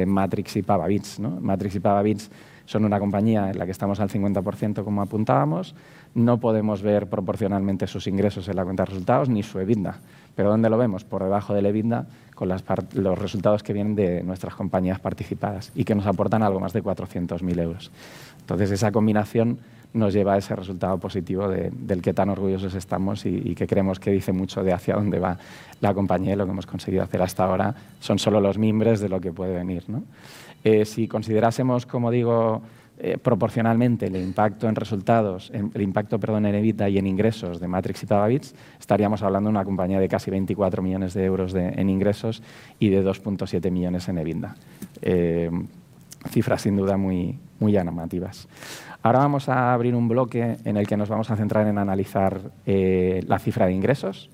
Matrix y Pavabits. Matrix y Pavabits son una compañía en la que estamos al 50%, como apuntábamos. No podemos ver proporcionalmente sus ingresos en la cuenta de resultados, ni su EBITDA. Pero, ¿dónde lo vemos? Por debajo del EBITDA, con los resultados que vienen de nuestras compañías participadas y que nos aportan algo más de €400,000. Entonces, esa combinación nos lleva a ese resultado positivo del que tan orgullosos estamos y que creemos que dice mucho de hacia dónde va la compañía y lo que hemos conseguido hacer hasta ahora. Son solo los mimbres de lo que puede venir. Si considerásemos, como digo, proporcionalmente el impacto en resultados, el impacto, perdón, en EBITDA y en ingresos de Matrix y Pavabits, estaríamos hablando de una compañía de casi €24 millones en ingresos y de €2.7 millones en EBITDA. Cifras, sin duda, muy llamativas. Ahora vamos a abrir un bloque en el que nos vamos a centrar en analizar la cifra de ingresos.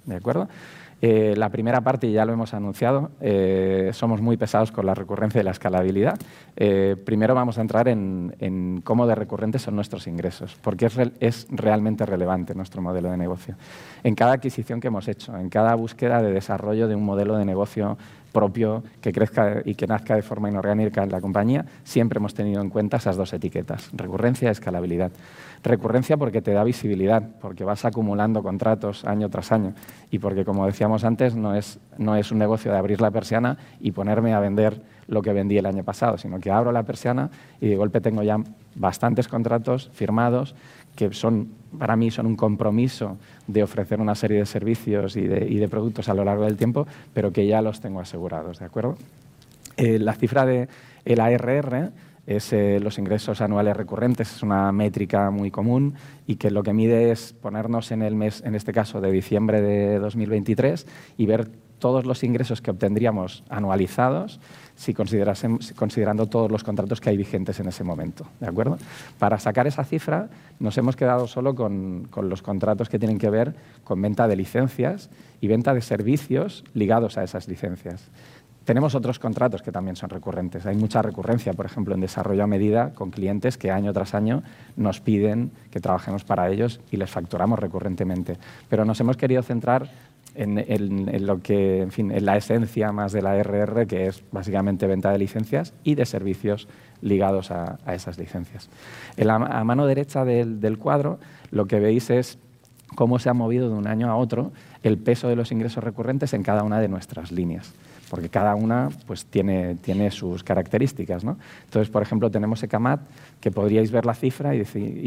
La primera parte ya lo hemos anunciado, somos muy pesados con la recurrencia y la escalabilidad. Primero vamos a entrar en cómo de recurrentes son nuestros ingresos, porque es realmente relevante nuestro modelo de negocio. En cada adquisición que hemos hecho, en cada búsqueda de desarrollo de un modelo de negocio propio que crezca y que nazca de forma orgánica en la compañía, siempre hemos tenido en cuenta esas dos etiquetas: recurrencia y escalabilidad. Recurrencia porque te da visibilidad, porque vas acumulando contratos año tras año, y porque, como decíamos antes, no es un negocio de abrir la persiana y ponerme a vender lo que vendí el año pasado, sino que abro la persiana y de golpe tengo ya bastantes contratos firmados que para mí son un compromiso de ofrecer una serie de servicios y de productos a lo largo del tiempo, pero que ya los tengo asegurados. La cifra del ARR, los ingresos anuales recurrentes, es una métrica muy común y que lo que mide es ponernos en el mes, en este caso de diciembre de 2023, y ver todos los ingresos que obtendríamos anualizados, considerando todos los contratos que hay vigentes en ese momento. Para sacar esa cifra, nos hemos quedado solo con los contratos que tienen que ver con venta de licencias y venta de servicios ligados a esas licencias. Tenemos otros contratos que también son recurrentes. Hay mucha recurrencia, por ejemplo, en desarrollo a medida con clientes que año tras año nos piden que trabajemos para ellos y les facturamos recurrentemente. Pero nos hemos querido centrar en lo que, en fin, en la esencia más del ARR, que es básicamente venta de licencias y de servicios ligados a esas licencias. A mano derecha del cuadro, lo que veis es cómo se ha movido de un año a otro el peso de los ingresos recurrentes en cada una de nuestras líneas, porque cada una tiene sus características. Entonces, por ejemplo, tenemos ECAMAT, que podríais ver la cifra y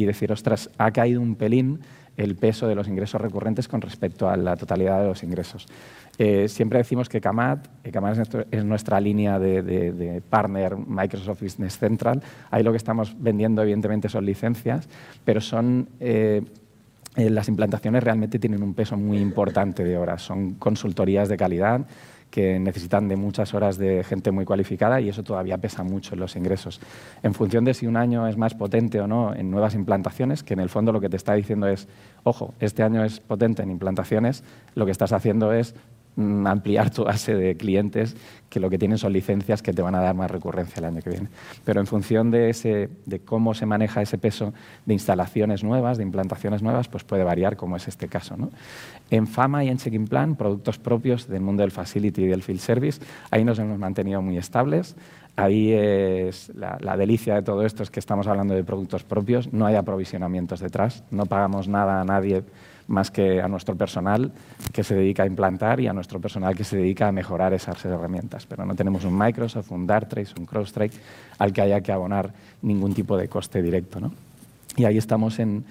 decir: "Ostras, ha caído un pelín el peso de los ingresos recurrentes con respecto a la totalidad de los ingresos". Siempre decimos que ECAMAT es nuestra línea de partner Microsoft Business Central. Ahí lo que estamos vendiendo, evidentemente, son licencias, pero las implantaciones realmente tienen un peso muy importante de horas. Son consultorías de calidad que necesitan de muchas horas de gente muy cualificada, y eso todavía pesa mucho en los ingresos. En función de si un año es más potente o no en nuevas implantaciones, que en el fondo lo que te está diciendo es: "Ojo, este año es potente en implantaciones", lo que estás haciendo es ampliar tu base de clientes, que lo que tienen son licencias que te van a dar más recurrencia el año que viene. Pero en función de cómo se maneja ese peso de instalaciones nuevas, de implantaciones nuevas, puede variar, como es este caso. En FAMA y en Check-in Plan, productos propios del mundo del facility y del field service, ahí nos hemos mantenido muy estables. Ahí la delicia de todo esto es que estamos hablando de productos propios, no hay aprovisionamientos detrás, no pagamos nada a nadie más que a nuestro personal que se dedica a implantar y a nuestro personal que se dedica a mejorar esa serie de herramientas. Pero no tenemos un Microsoft, un Dartrace, un CrowdStrike al que haya que abonar ningún tipo de coste directo. Ahí estamos en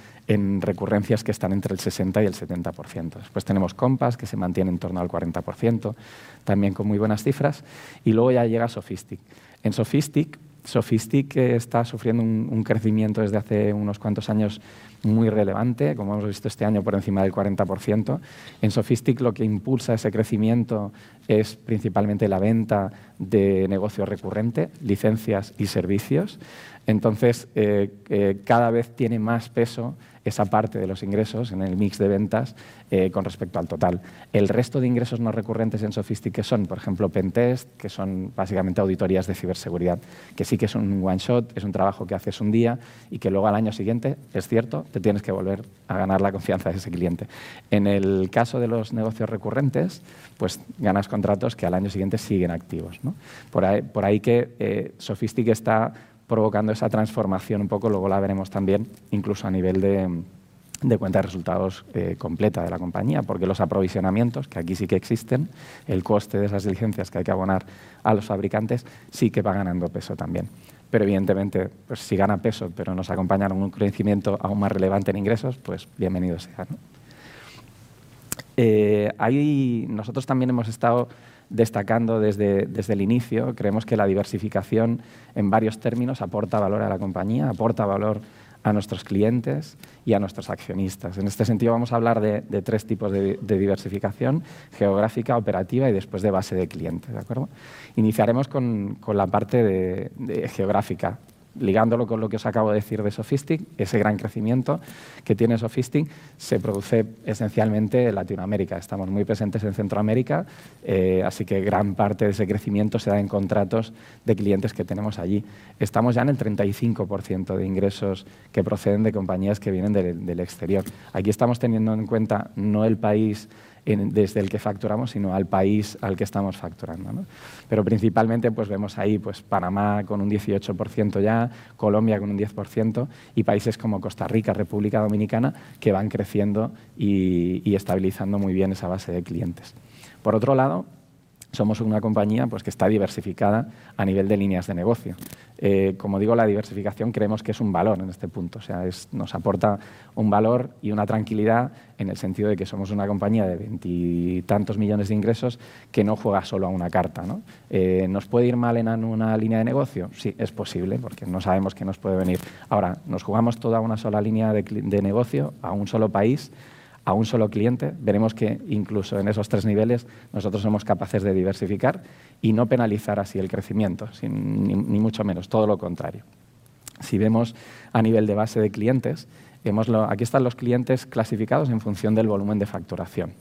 recurrencias que están entre el 60% y el 70%. Después tenemos Compass, que se mantiene en torno al 40%, también con muy buenas cifras. Luego ya llega Sofistic. En Sofistic, Sofistic está sufriendo un crecimiento desde hace unos cuantos años muy relevante, como hemos visto este año por encima del 40%. En Sofistic, lo que impulsa ese crecimiento es principalmente la venta de negocio recurrente, licencias y servicios. Entonces, cada vez tiene más peso esa parte de los ingresos en el mix de ventas con respecto al total. El resto de ingresos no recurrentes en Sofistic son, por ejemplo, Pentest, que son básicamente auditorías de ciberseguridad, que sí que son un one shot, es un trabajo que haces un día y que luego al año siguiente, es cierto, te tienes que volver a ganar la confianza de ese cliente. En el caso de los negocios recurrentes, ganas contratos que al año siguiente siguen activos. Por ahí que Sofistic está provocando esa transformación un poco, luego la veremos también, incluso a nivel de cuenta de resultados completa de la compañía, porque los aprovisionamientos, que aquí sí que existen, el coste de esas diligencias que hay que abonar a los fabricantes, sí que va ganando peso también. Pero, evidentemente, si gana peso, pero nos acompaña en un crecimiento aún más relevante en ingresos, bienvenido sea. Nosotros también hemos estado destacando desde el inicio, creemos que la diversificación en varios términos aporta valor a la compañía, aporta valor a nuestros clientes y a nuestros accionistas. En este sentido, vamos a hablar de tres tipos de diversificación: geográfica, operativa y después de base de cliente. Iniciaremos con la parte geográfica, ligándolo con lo que os acabo de decir de Sofistic, ese gran crecimiento que tiene Sofistic se produce esencialmente en Latinoamérica. Estamos muy presentes en Centroamérica, así que gran parte de ese crecimiento se da en contratos de clientes que tenemos allí. Estamos ya en el 35% de ingresos que proceden de compañías que vienen del exterior. Aquí estamos teniendo en cuenta no el país desde el que facturamos, sino al país al que estamos facturando. Pero, principalmente, vemos ahí Panamá con un 18% ya, Colombia con un 10% y países como Costa Rica, República Dominicana, que van creciendo y estabilizando muy bien esa base de clientes. Por otro lado, somos una compañía que está diversificada a nivel de líneas de negocio. Como digo, la diversificación creemos que es un valor en este punto, o sea, nos aporta un valor y una tranquilidad en el sentido de que somos una compañía de veintitantos millones de ingresos que no juega solo a una carta. ¿Nos puede ir mal en una línea de negocio? Sí, es posible, porque no sabemos qué nos puede venir. Ahora, no nos jugamos todo a una sola línea de negocio, a un solo país, a un solo cliente. Veremos que, incluso en esos tres niveles, nosotros somos capaces de diversificar y no penalizar así el crecimiento, ni mucho menos, todo lo contrario. Si vemos a nivel de base de clientes, aquí están los clientes clasificados en función del volumen de facturación.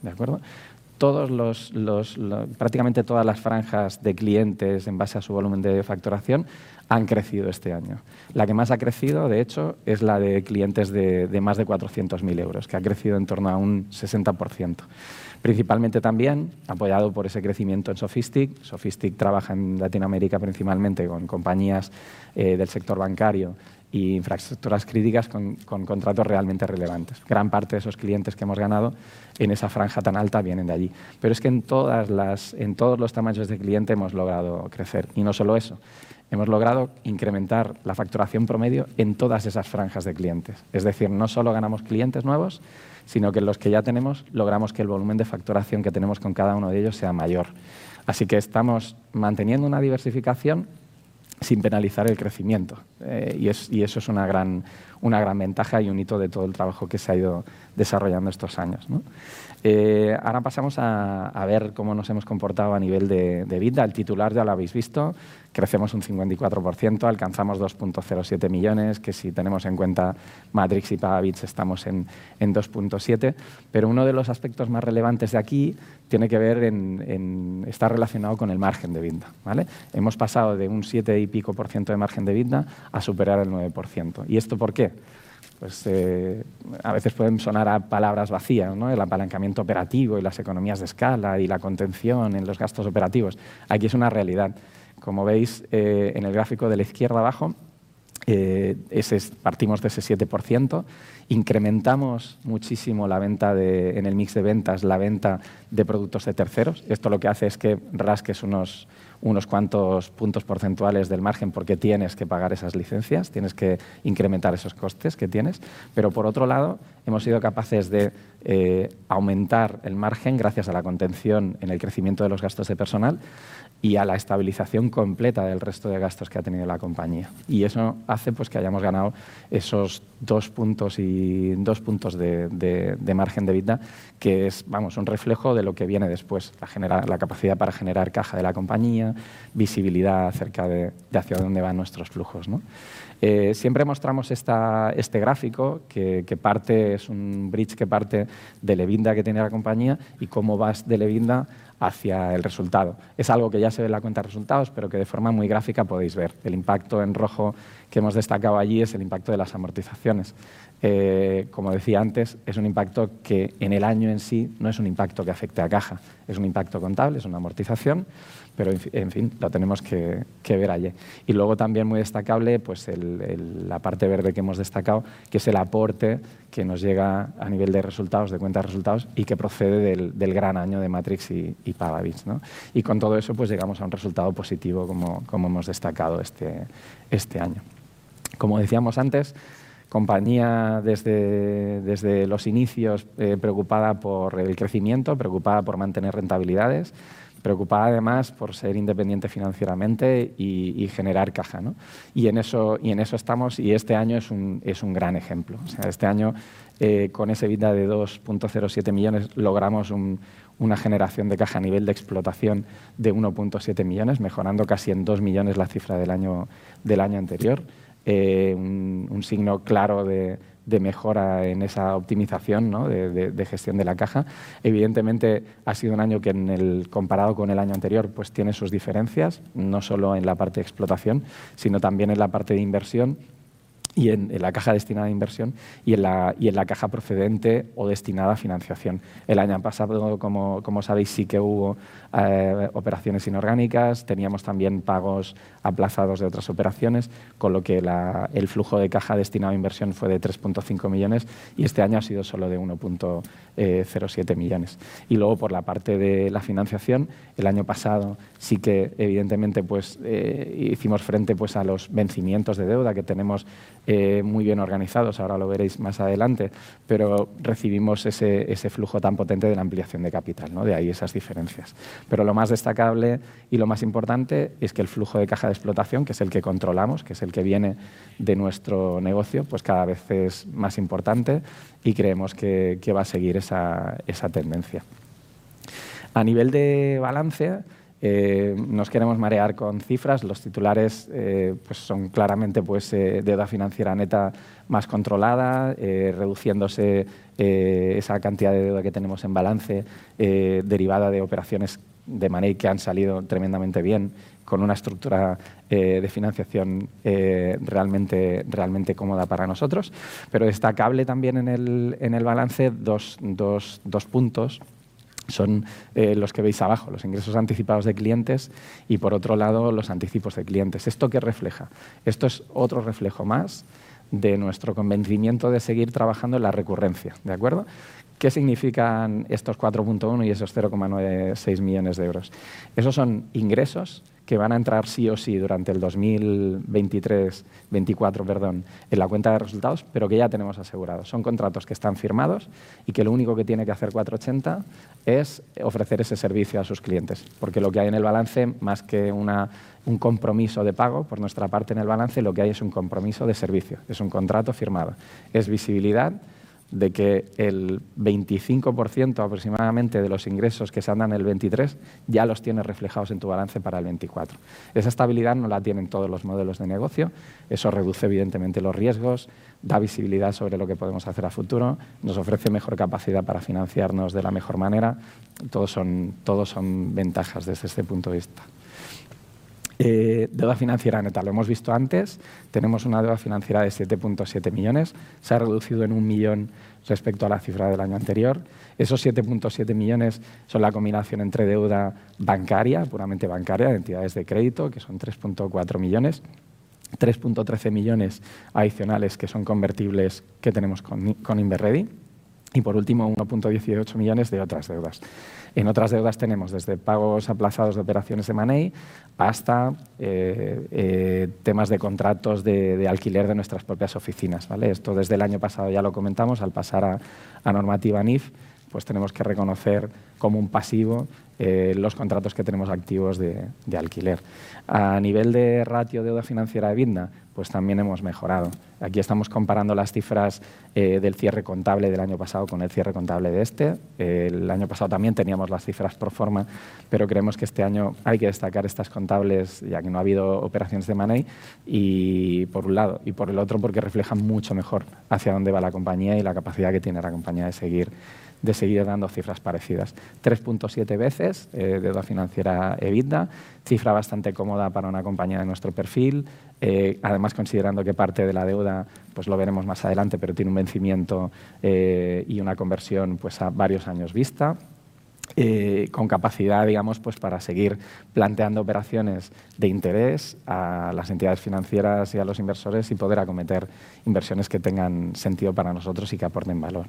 Prácticamente todas las franjas de clientes, en base a su volumen de facturación, han crecido este año. La que más ha crecido, de hecho, es la de clientes de más de €400,000, que ha crecido en torno a un 60%. Principalmente también apoyado por ese crecimiento en Sofistic. Sofistic trabaja en Latinoamérica principalmente con compañías del sector bancario e infraestructuras críticas con contratos realmente relevantes. Gran parte de esos clientes que hemos ganado en esa franja tan alta vienen de allí. Pero es que en todos los tamaños de cliente hemos logrado crecer, y no solo eso, hemos logrado incrementar la facturación promedio en todas esas franjas de clientes. Es decir, no solo ganamos clientes nuevos, sino que en los que ya tenemos logramos que el volumen de facturación que tenemos con cada uno de ellos sea mayor. Así que estamos manteniendo una diversificación sin penalizar el crecimiento, y eso es una gran ventaja y un hito de todo el trabajo que se ha ido desarrollando estos años. Ahora pasamos a ver cómo nos hemos comportado a nivel de EBITDA. El titular ya lo habéis visto, crecemos un 54%, alcanzamos €2.07 millones, que si tenemos en cuenta Matrix y Pavabits estamos en €2.7 millones. Pero uno de los aspectos más relevantes de aquí tiene que ver con estar relacionado con el margen de EBITDA. Hemos pasado de un 7% de margen de EBITDA a superar el 9%. ¿Y esto por qué? A veces pueden sonar a palabras vacías: el apalancamiento operativo y las economías de escala y la contención en los gastos operativos. Aquí es una realidad. Como veis en el gráfico de la izquierda abajo, partimos de ese 7%, incrementamos muchísimo la venta en el mix de ventas, la venta de productos de terceros. Esto lo que hace es que rasques unos cuantos puntos porcentuales del margen porque tienes que pagar esas licencias, tienes que incrementar esos costes que tienes. Pero, por otro lado, hemos sido capaces de aumentar el margen gracias a la contención en el crecimiento de los gastos de personal y a la estabilización completa del resto de gastos que ha tenido la compañía. Y eso hace que hayamos ganado esos dos puntos de margen de EBITDA, que es un reflejo de lo que viene después: la capacidad para generar caja de la compañía, visibilidad hacia dónde van nuestros flujos. Siempre mostramos este gráfico, que parte es un bridge que parte del EBITDA que tiene la compañía y cómo vas del EBITDA hacia el resultado. Es algo que ya se ve en la cuenta de resultados, pero que de forma muy gráfica podéis ver. El impacto en rojo que hemos destacado allí es el impacto de las amortizaciones. Como decía antes, es un impacto que en el año en sí no es un impacto que afecte a caja, es un impacto contable, es una amortización, pero en fin lo tenemos que ver allí. Y luego también muy destacable la parte verde que hemos destacado, que es el aporte que nos llega a nivel de resultados, de cuenta de resultados, y que procede del gran año de Matrix y Pavabits. Y con todo eso llegamos a un resultado positivo, como hemos destacado este año. Como decíamos antes, compañía desde los inicios preocupada por el crecimiento, preocupada por mantener rentabilidades, preocupada además por ser independiente financieramente y generar caja. Y en eso estamos, y este año es un gran ejemplo. Este año con ese EBITDA de €2.07 millones logramos una generación de caja a nivel de explotación de €1.7 millones, mejorando casi en €2 millones la cifra del año anterior. Un signo claro de mejora en esa optimización de gestión de la caja. Evidentemente, ha sido un año que, comparado con el año anterior, tiene sus diferencias, no solo en la parte de explotación, sino también en la parte de inversión, en la caja destinada a inversión y en la caja procedente o destinada a financiación. El año pasado, como sabéis, sí que hubo operaciones inorgánicas, teníamos también pagos aplazados de otras operaciones, con lo que el flujo de caja destinado a inversión fue de €3.5 millones, y este año ha sido solo de €1.07 millones. Y luego, por la parte de la financiación, el año pasado sí que, evidentemente, hicimos frente a los vencimientos de deuda que tenemos muy bien organizados, ahora lo veréis más adelante, pero recibimos ese flujo tan potente de la ampliación de capital. De ahí esas diferencias. Pero lo más destacable y lo más importante es que el flujo de caja de explotación, que es el que controlamos, que es el que viene de nuestro negocio, cada vez es más importante y creemos que va a seguir esa tendencia. A nivel de balance, no nos queremos marear con cifras. Los titulares son claramente deuda financiera neta más controlada, reduciéndose esa cantidad de deuda que tenemos en balance derivada de operaciones de M&A que han salido tremendamente bien, con una estructura de financiación realmente cómoda para nosotros. Pero destacable también en el balance dos puntos son los que veis abajo: los ingresos anticipados de clientes y, por otro lado, los anticipos de clientes. ¿Esto qué refleja? Esto es otro reflejo más de nuestro convencimiento de seguir trabajando en la recurrencia. ¿Qué significan estos €4.1 millones y esos €0.96 millones? Esos son ingresos que van a entrar sí o sí durante el 2023-2024 en la cuenta de resultados, pero que ya tenemos asegurados. Son contratos que están firmados y que lo único que tiene que hacer 480 es ofrecer ese servicio a sus clientes. Porque lo que hay en el balance, más que un compromiso de pago por nuestra parte en el balance, lo que hay es un compromiso de servicio, es un contrato firmado. Es visibilidad de que el 25% aproximadamente de los ingresos que se andan el 23 ya los tienes reflejados en tu balance para el 24. Esa estabilidad no la tienen todos los modelos de negocio, eso reduce, evidentemente, los riesgos, da visibilidad sobre lo que podemos hacer a futuro, nos ofrece mejor capacidad para financiarnos de la mejor manera. Todo son ventajas desde este punto de vista. Deuda financiera neta lo hemos visto antes, tenemos una deuda financiera de €7.7 millones, se ha reducido en un millón respecto a la cifra del año anterior. Esos €7.7 millones son la combinación entre deuda bancaria, puramente bancaria, de entidades de crédito, que son €3.4 millones, €3.13 millones adicionales que son convertibles, que tenemos con Inberredi, y por último, €1.18 millones de otras deudas. En otras deudas tenemos desde pagos aplazados de operaciones de Money hasta temas de contratos de alquiler de nuestras propias oficinas. Esto desde el año pasado ya lo comentamos, al pasar a normativa NIF tenemos que reconocer como un pasivo los contratos que tenemos activos de alquiler. A nivel de ratio deuda financiera EBITDA, también hemos mejorado. Aquí estamos comparando las cifras del cierre contable del año pasado con el cierre contable de este. El año pasado también teníamos las cifras proforma, pero creemos que este año hay que destacar estas contables ya que no ha habido operaciones de Money, y por un lado, y por el otro porque reflejan mucho mejor hacia dónde va la compañía y la capacidad que tiene la compañía de seguir dando cifras parecidas. 3.7 veces deuda financiera EBITDA, cifra bastante cómoda para una compañía de nuestro perfil, además considerando que parte de la deuda lo veremos más adelante, pero tiene un vencimiento y una conversión a varios años vista, con capacidad para seguir planteando operaciones de interés a las entidades financieras y a los inversores, y poder acometer inversiones que tengan sentido para nosotros y que aporten valor.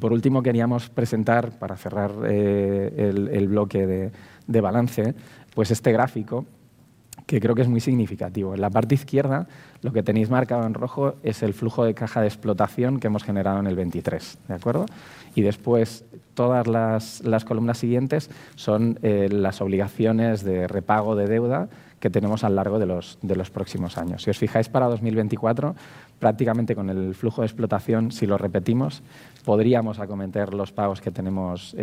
Por último, queríamos presentar, para cerrar el bloque de balance, este gráfico que creo que es muy significativo. En la parte izquierda, lo que tenéis marcado en rojo es el flujo de caja de explotación que hemos generado en el 2023, y después todas las columnas siguientes son las obligaciones de repago de deuda que tenemos a lo largo de los próximos años. Si os fijáis, para 2024, prácticamente con el flujo de explotación, si lo repetimos, podríamos acometer los pagos que tenemos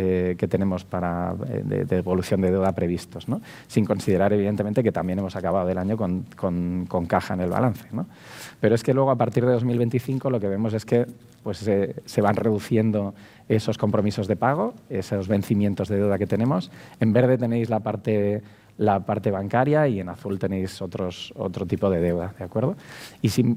para devolución de deuda previstos, sin considerar, evidentemente, que también hemos acabado el año con caja en el balance. Pero es que luego, a partir de 2025, lo que vemos es que se van reduciendo esos compromisos de pago, esos vencimientos de deuda que tenemos. En verde tenéis la parte bancaria y en azul tenéis otro tipo de deuda.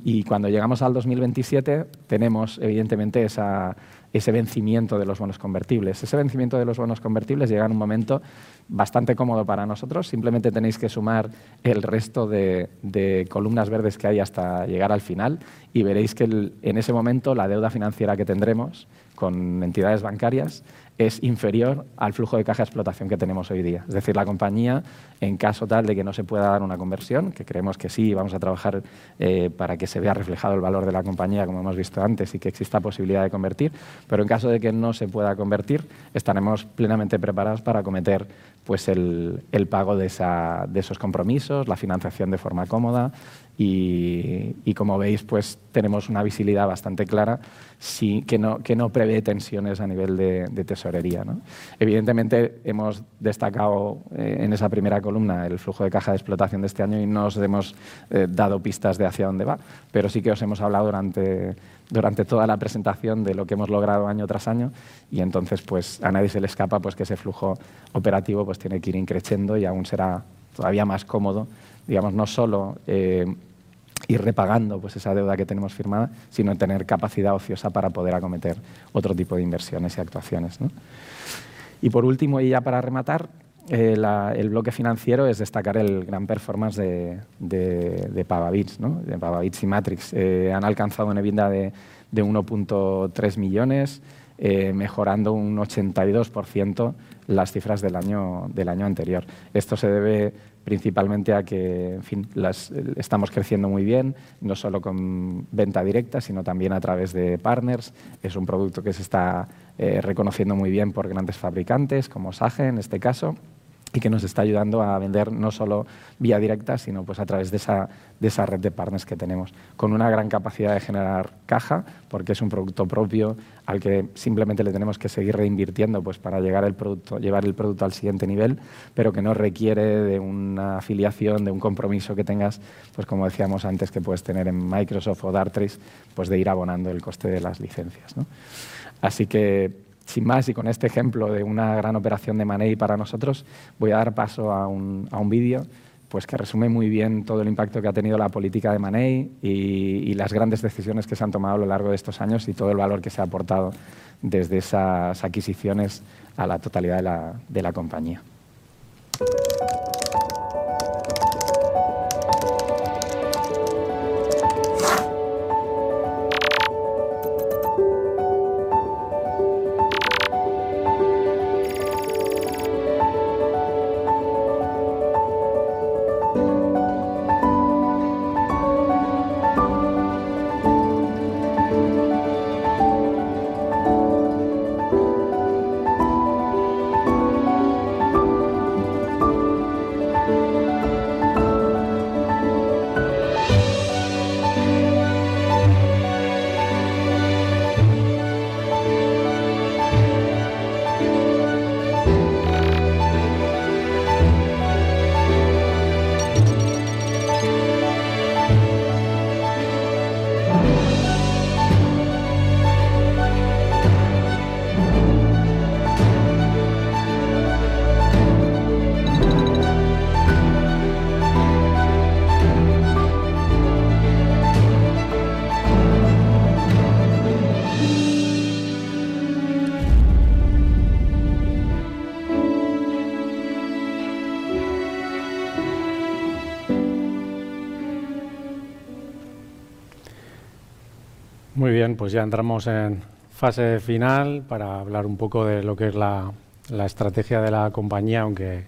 Y cuando llegamos al 2027, tenemos, evidentemente, ese vencimiento de los bonos convertibles. Ese vencimiento de los bonos convertibles llega en un momento bastante cómodo para nosotros. Simplemente tenéis que sumar el resto de columnas verdes que hay hasta llegar al final, y veréis que en ese momento la deuda financiera que tendremos con entidades bancarias es inferior al flujo de caja de explotación que tenemos hoy día. Es decir, la compañía, en caso tal de que no se pueda dar una conversión, que creemos que sí vamos a trabajar para que se vea reflejado el valor de la compañía como hemos visto antes y que exista posibilidad de convertir, pero en caso de que no se pueda convertir, estaremos plenamente preparados para acometer el pago de esos compromisos, la financiación de forma cómoda. Y como veis, tenemos una visibilidad bastante clara que no prevé tensiones a nivel de tesorería. Evidentemente, hemos destacado en esa primera columna el flujo de caja de explotación de este año y no os hemos dado pistas de hacia dónde va, pero sí que os hemos hablado durante toda la presentación de lo que hemos logrado año tras año, y entonces a nadie se le escapa que ese flujo operativo tiene que ir in crescendo y aún será todavía más cómodo, no solo ir repagando esa deuda que tenemos firmada, sino tener capacidad ociosa para poder acometer otro tipo de inversiones y actuaciones. Y por último, y ya para rematar, el bloque financiero es destacar el gran performance de Pavabits y Matrix. Han alcanzado un EBITDA de €1.3 millones, mejorando un 82% las cifras del año anterior. Esto se debe principalmente a que estamos creciendo muy bien, no solo con venta directa, sino también a través de partners. Es un producto que se está reconociendo muy bien por grandes fabricantes como Sage, en este caso, y que nos está ayudando a vender no solo vía directa, sino a través de esa red de partners que tenemos, con una gran capacidad de generar caja, porque es un producto propio al que simplemente le tenemos que seguir reinvirtiendo para llevar el producto al siguiente nivel, pero que no requiere de una afiliación, de un compromiso que tengas, como decíamos antes, que puedes tener en Microsoft o Dartrix, de ir abonando el coste de las licencias. Así que, sin más y con este ejemplo de una gran operación de Money para nosotros, voy a dar paso a un vídeo que resume muy bien todo el impacto que ha tenido la política de Money y las grandes decisiones que se han tomado a lo largo de estos años, y todo el valor que se ha aportado desde esas adquisiciones a la totalidad de la compañía. Muy bien, ya entramos en fase final para hablar un poco de lo que es la estrategia de la compañía, aunque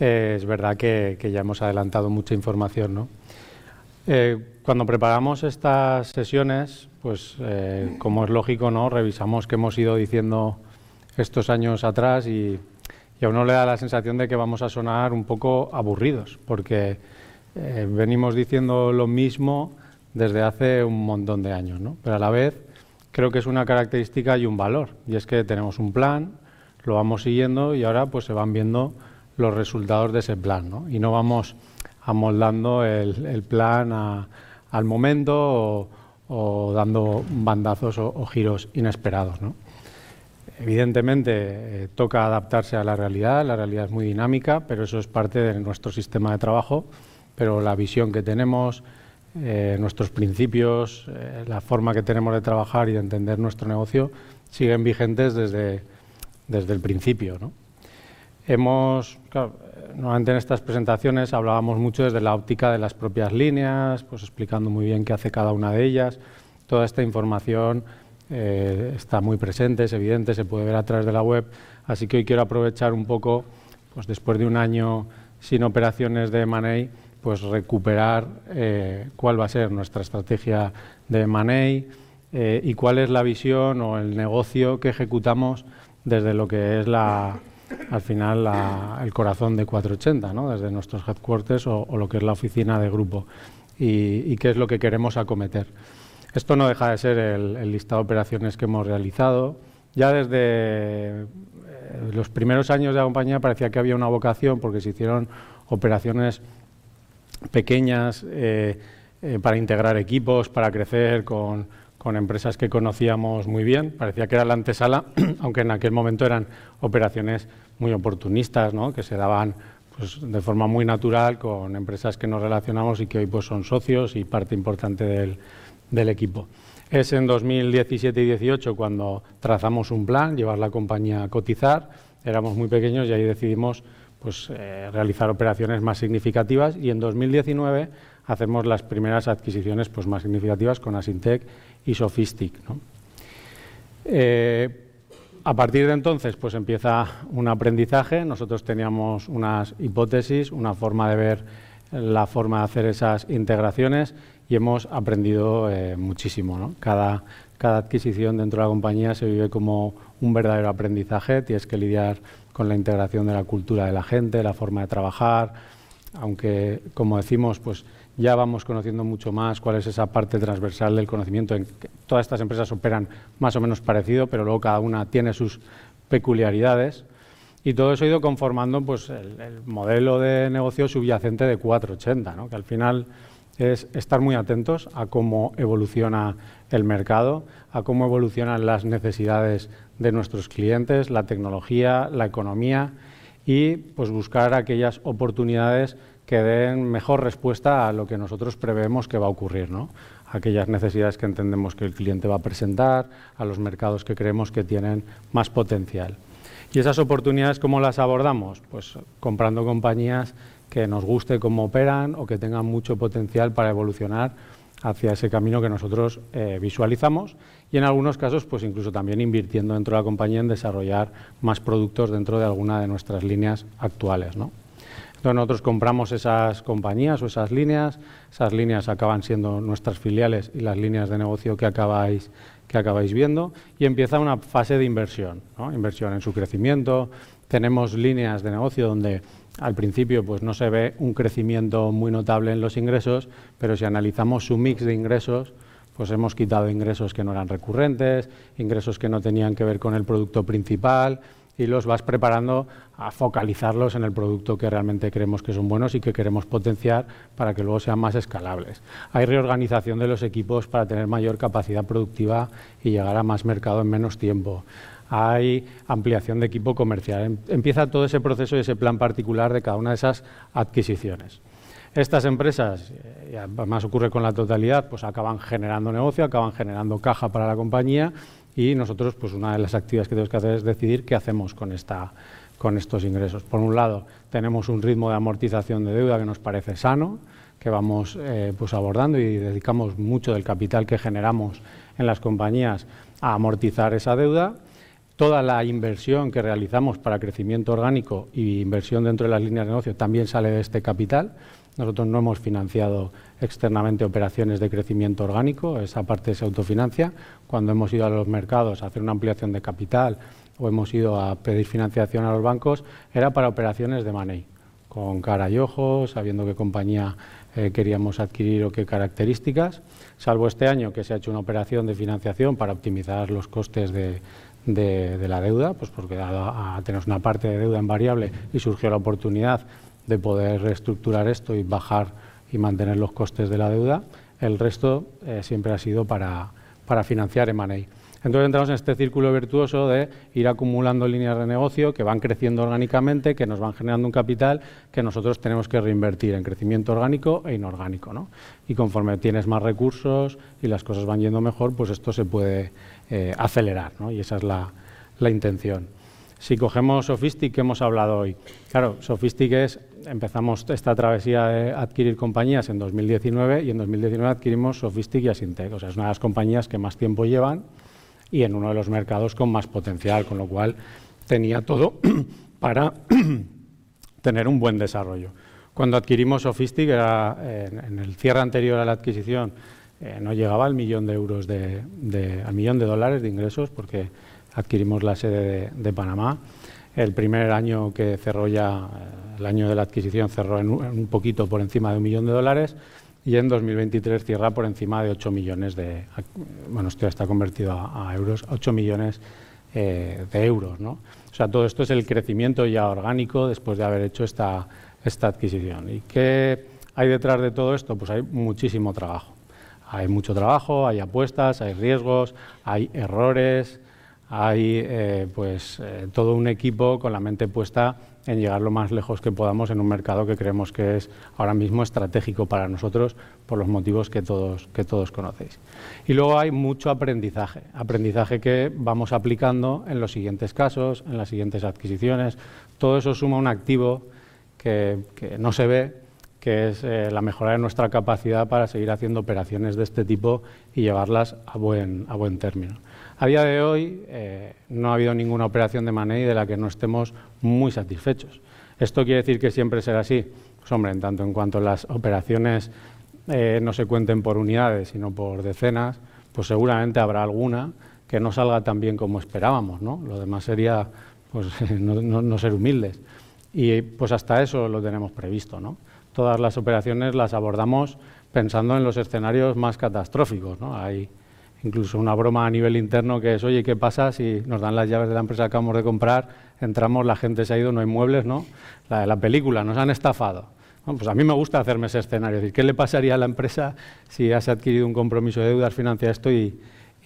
es verdad que ya hemos adelantado mucha información. Cuando preparamos estas sesiones, como es lógico, revisamos qué hemos ido diciendo estos años atrás, y a uno le da la sensación de que vamos a sonar un poco aburridos, porque venimos diciendo lo mismo desde hace un montón de años. Pero a la vez creo que es una característica y un valor, y es que tenemos un plan, lo vamos siguiendo, y ahora se van viendo los resultados de ese plan, y no vamos amoldando el plan al momento o dando bandazos o giros inesperados. Evidentemente, toca adaptarse a la realidad, la realidad es muy dinámica, pero eso es parte de nuestro sistema de trabajo. Pero la visión que tenemos, nuestros principios, la forma que tenemos de trabajar y de entender nuestro negocio siguen vigentes desde el principio. Normalmente, en estas presentaciones hablábamos mucho desde la óptica de las propias líneas, explicando muy bien qué hace cada una de ellas. Toda esta información está muy presente, es evidente, se puede ver a través de la web, así que hoy quiero aprovechar un poco, después de un año sin operaciones de M&A, recuperar cuál va a ser nuestra estrategia de M&A y cuál es la visión o el negocio que ejecutamos desde lo que es, al final, el corazón de 480, desde nuestros headquarters o lo que es la oficina de grupo, y qué es lo que queremos acometer. Esto no deja de ser el listado de operaciones que hemos realizado. Ya desde los primeros años de la compañía parecía que había una vocación, porque se hicieron operaciones pequeñas para integrar equipos, para crecer con empresas que conocíamos muy bien. Parecía que era la antesala, aunque en aquel momento eran operaciones muy oportunistas, que se daban de forma muy natural con empresas que nos relacionamos y que hoy son socios y parte importante del equipo. Es en 2017 y 2018 cuando trazamos un plan: llevar la compañía a cotizar. Éramos muy pequeños y ahí decidimos realizar operaciones más significativas, y en 2019 hacemos las primeras adquisiciones más significativas con Asyntec y Sofistic. A partir de entonces empieza un aprendizaje. Nosotros teníamos unas hipótesis, una forma de ver la forma de hacer esas integraciones, y hemos aprendido muchísimo. Cada adquisición dentro de la compañía se vive como un verdadero aprendizaje. Tienes que lidiar con la integración de la cultura de la gente, la forma de trabajar, aunque, como decimos, ya vamos conociendo mucho más cuál es esa parte transversal del conocimiento. Todas estas empresas operan más o menos parecido, pero luego cada una tiene sus peculiaridades, y todo eso ha ido conformando el modelo de negocio subyacente de 480, que al final es estar muy atentos a cómo evoluciona el mercado, a cómo evolucionan las necesidades de nuestros clientes, la tecnología, la economía, y buscar aquellas oportunidades que den mejor respuesta a lo que nosotros prevemos que va a ocurrir, aquellas necesidades que entendemos que el cliente va a presentar, a los mercados que creemos que tienen más potencial. Y esas oportunidades, ¿cómo las abordamos? Comprando compañías que nos guste cómo operan o que tengan mucho potencial para evolucionar hacia ese camino que nosotros visualizamos, y en algunos casos incluso también invirtiendo dentro de la compañía en desarrollar más productos dentro de alguna de nuestras líneas actuales. Entonces, nosotros compramos esas compañías o esas líneas, esas líneas acaban siendo nuestras filiales y las líneas de negocio que acabáis viendo, y empieza una fase de inversión en su crecimiento. Tenemos líneas de negocio donde al principio no se ve un crecimiento muy notable en los ingresos, pero si analizamos su mix de ingresos, hemos quitado ingresos que no eran recurrentes, ingresos que no tenían que ver con el producto principal, y los vas preparando a focalizarlos en el producto que realmente creemos que son buenos y que queremos potenciar para que luego sean más escalables. Hay reorganización de los equipos para tener mayor capacidad productiva y llegar a más mercado en menos tiempo. Hay ampliación de equipo comercial. Empieza todo ese proceso y ese plan particular de cada una de esas adquisiciones. Estas empresas, y además ocurre con la totalidad, acaban generando negocio, acaban generando caja para la compañía, y nosotros, una de las actividades que tenemos que hacer es decidir qué hacemos con estos ingresos. Por un lado, tenemos un ritmo de amortización de deuda que nos parece sano, que vamos abordando y dedicamos mucho del capital que generamos en las compañías a amortizar esa deuda. Toda la inversión que realizamos para crecimiento orgánico e inversión dentro de las líneas de negocio también sale de este capital. Nosotros no hemos financiado externamente operaciones de crecimiento orgánico, esa parte se autofinancia. Cuando hemos ido a los mercados a hacer una ampliación de capital o hemos ido a pedir financiación a los bancos, era para operaciones de M&A, con cara y ojos, sabiendo qué compañía queríamos adquirir o qué características. Salvo este año, que se ha hecho una operación de financiación para optimizar los costes de la deuda, porque al tener una parte de deuda invariable surgió la oportunidad de poder reestructurar esto y bajar y mantener los costes de la deuda, el resto siempre ha sido para financiar en Money. Entonces, entramos en este círculo virtuoso de ir acumulando líneas de negocio que van creciendo orgánicamente, que nos van generando un capital que nosotros tenemos que reinvertir en crecimiento orgánico e inorgánico. Y conforme tienes más recursos y las cosas van yendo mejor, esto se puede acelerar, y esa es la intención. Si cogemos Sofistic, ¿qué hemos hablado hoy? Claro, Sofistic es que empezamos esta travesía de adquirir compañías en 2019, y en 2019 adquirimos Sofistic y Asyntec. Es una de las compañías que más tiempo llevan y en uno de los mercados con más potencial, con lo cual tenía todo para tener un buen desarrollo. Cuando adquirimos Sofistic, en el cierre anterior a la adquisición no llegaba al millón de euros de al millón de dólares de ingresos, porque adquirimos la sede de Panamá. El primer año que cerró, ya el año de la adquisición, cerró en un poquito por encima de $1 millón de dólares, y en 2023 cierra por encima de €8 millones. Bueno, esto ya está convertido a euros, €8 millones de euros. Todo esto es el crecimiento ya orgánico después de haber hecho esta adquisición. ¿Y qué hay detrás de todo esto? Hay muchísimo trabajo. Hay mucho trabajo, hay apuestas, hay riesgos, hay errores, hay todo un equipo con la mente puesta en llegar lo más lejos que podamos en un mercado que creemos que es ahora mismo estratégico para nosotros, por los motivos que todos conocéis. Y luego hay mucho aprendizaje, aprendizaje que vamos aplicando en los siguientes casos, en las siguientes adquisiciones. Todo eso suma un activo que no se ve, que es la mejora de nuestra capacidad para seguir haciendo operaciones de este tipo y llevarlas a buen término. A día de hoy no ha habido ninguna operación de Money de la que no estemos muy satisfechos. Esto no quiere decir que siempre será así. Hombre, en tanto en cuanto las operaciones no se cuenten por unidades, sino por decenas, seguramente habrá alguna que no salga tan bien como esperábamos. Lo demás sería no ser humildes, y hasta eso lo tenemos previsto. Todas las operaciones las abordamos pensando en los escenarios más catastróficos. Hay incluso una broma a nivel interno que es: "Oye, ¿qué pasa si nos dan las llaves de la empresa que acabamos de comprar? Entramos, la gente se ha ido, no hay muebles, la de la película, nos han estafado". A mí me gusta hacerme ese escenario, decir: "¿Qué le pasaría a la empresa si has adquirido un compromiso de deudas financiadas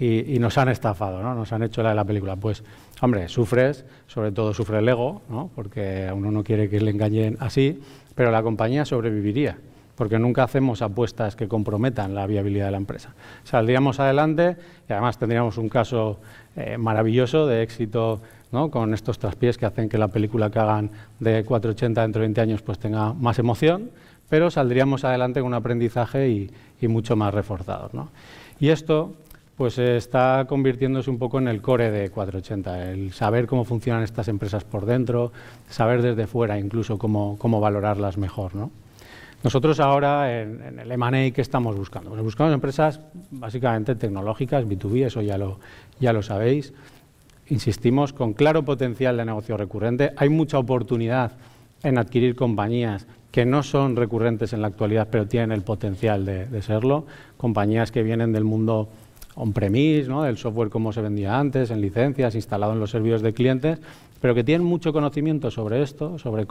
y nos han estafado, nos han hecho la de la película?". Hombre, sufres, sobre todo sufre el ego, porque a uno no le quiere que le engañen así, pero la compañía sobreviviría, porque nunca hacemos apuestas que comprometan la viabilidad de la empresa. Saldríamos adelante y, además, tendríamos un caso maravilloso de éxito con estos traspiés que hacen que la película que hagan de 480 dentro de 20 años tenga más emoción, pero saldríamos adelante con un aprendizaje y mucho más reforzado. Y esto está convirtiéndose un poco en el core de 480, el saber cómo funcionan estas empresas por dentro, saber desde fuera incluso cómo valorarlas mejor. Nosotros ahora, en el Money, ¿qué estamos buscando? Buscamos empresas básicamente tecnológicas, B2B, eso ya lo sabéis. Insistimos con claro potencial de negocio recurrente. Hay mucha oportunidad en adquirir compañías que no son recurrentes en la actualidad, pero tienen el potencial de serlo. Compañías que vienen del mundo on-premise, del software como se vendía antes, en licencias, instalado en los servicios de clientes, pero que tienen mucho conocimiento sobre esto, sobre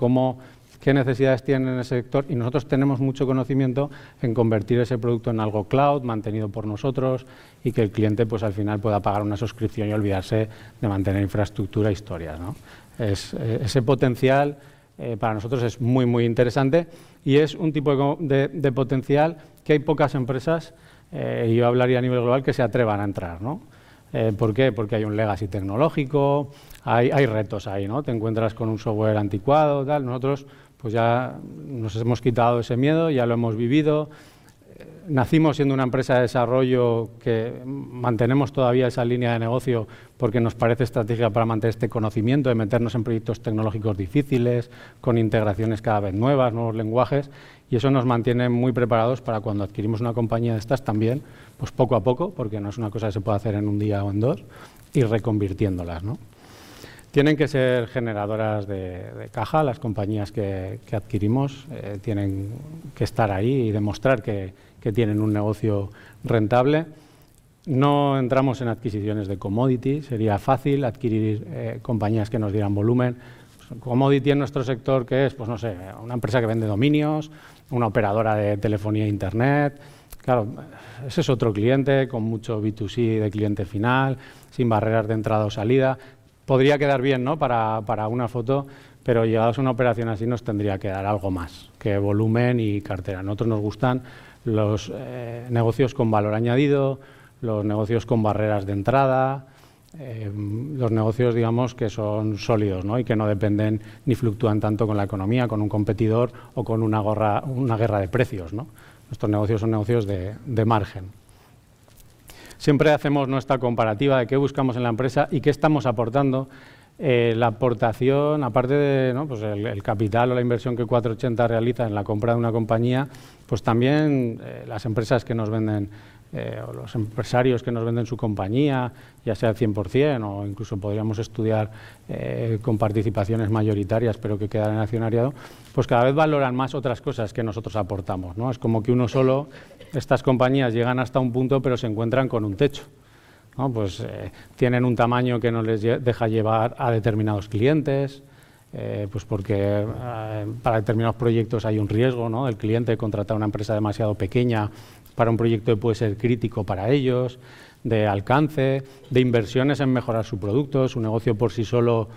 qué necesidades tiene ese sector. Y nosotros tenemos mucho conocimiento en convertir ese producto en algo cloud, mantenido por nosotros, y que el cliente al final pueda pagar una suscripción y olvidarse de mantener infraestructura e historias. Ese potencial para nosotros es muy, muy interesante, y es un tipo de potencial que hay pocas empresas, yo hablaría a nivel global, que se atrevan a entrar. ¿Por qué? Porque hay un legacy tecnológico, hay retos ahí, te encuentras con un software anticuado, tal. Nosotros ya nos hemos quitado ese miedo, ya lo hemos vivido. Nacimos siendo una empresa de desarrollo que mantenemos todavía esa línea de negocio porque nos parece estratégica para mantener este conocimiento de meternos en proyectos tecnológicos difíciles, con integraciones cada vez nuevas, nuevos lenguajes, y eso nos mantiene muy preparados para cuando adquirimos una compañía de estas también, poco a poco, porque no es una cosa que se pueda hacer en un día o en dos, y reconvirtiéndolas. Tienen que ser generadoras de caja las compañías que adquirimos, tienen que estar ahí y demostrar que tienen un negocio rentable. No entramos en adquisiciones de commodity, sería fácil adquirir compañías que nos dieran volumen. Commodity en nuestro sector, ¿qué es? No sé, una empresa que vende dominios, una operadora de telefonía e Internet. Claro, ese es otro cliente con mucho B2C de cliente final, sin barreras de entrada o salida. Podría quedar bien para una foto, pero llevados a una operación así nos tendría que dar algo más, que volumen y cartera. A nosotros nos gustan los negocios con valor añadido, los negocios con barreras de entrada, los negocios que son sólidos y que no dependen ni fluctúan tanto con la economía, con un competidor o con una guerra de precios. Nuestros negocios son negocios de margen. Siempre hacemos nuestra comparativa de qué buscamos en la empresa y qué estamos aportando. La aportación, aparte del capital o la inversión que 480 realiza en la compra de una compañía, también las empresas que nos venden o los empresarios que nos venden su compañía, ya sea al 100% o incluso podríamos estudiar con participaciones mayoritarias, pero que quedan en accionariado, cada vez valoran más otras cosas que nosotros aportamos. Es como que uno solo, estas compañías llegan hasta un punto, pero se encuentran con un techo. Tienen un tamaño que no les deja llevar a determinados clientes, porque para determinados proyectos hay un riesgo. El cliente contrata una empresa demasiado pequeña para un proyecto que puede ser crítico para ellos, de alcance, de inversiones en mejorar su producto. Su negocio por sí solo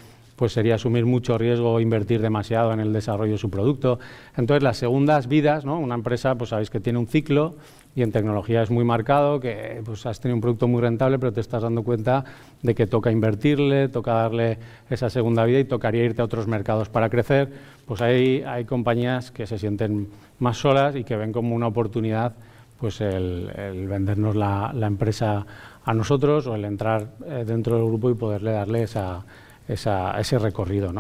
sería asumir mucho riesgo e invertir demasiado en el desarrollo de su producto. Entonces, las segundas vidas, una empresa sabéis que tiene un ciclo, y en tecnología es muy marcado, que has tenido un producto muy rentable, pero te estás dando cuenta de que toca invertirle, toca darle esa segunda vida y tocaría irte a otros mercados para crecer. Ahí hay compañías que se sienten más solas y que ven como una oportunidad el vendernos la empresa a nosotros o el entrar dentro del grupo y poderle darle ese recorrido.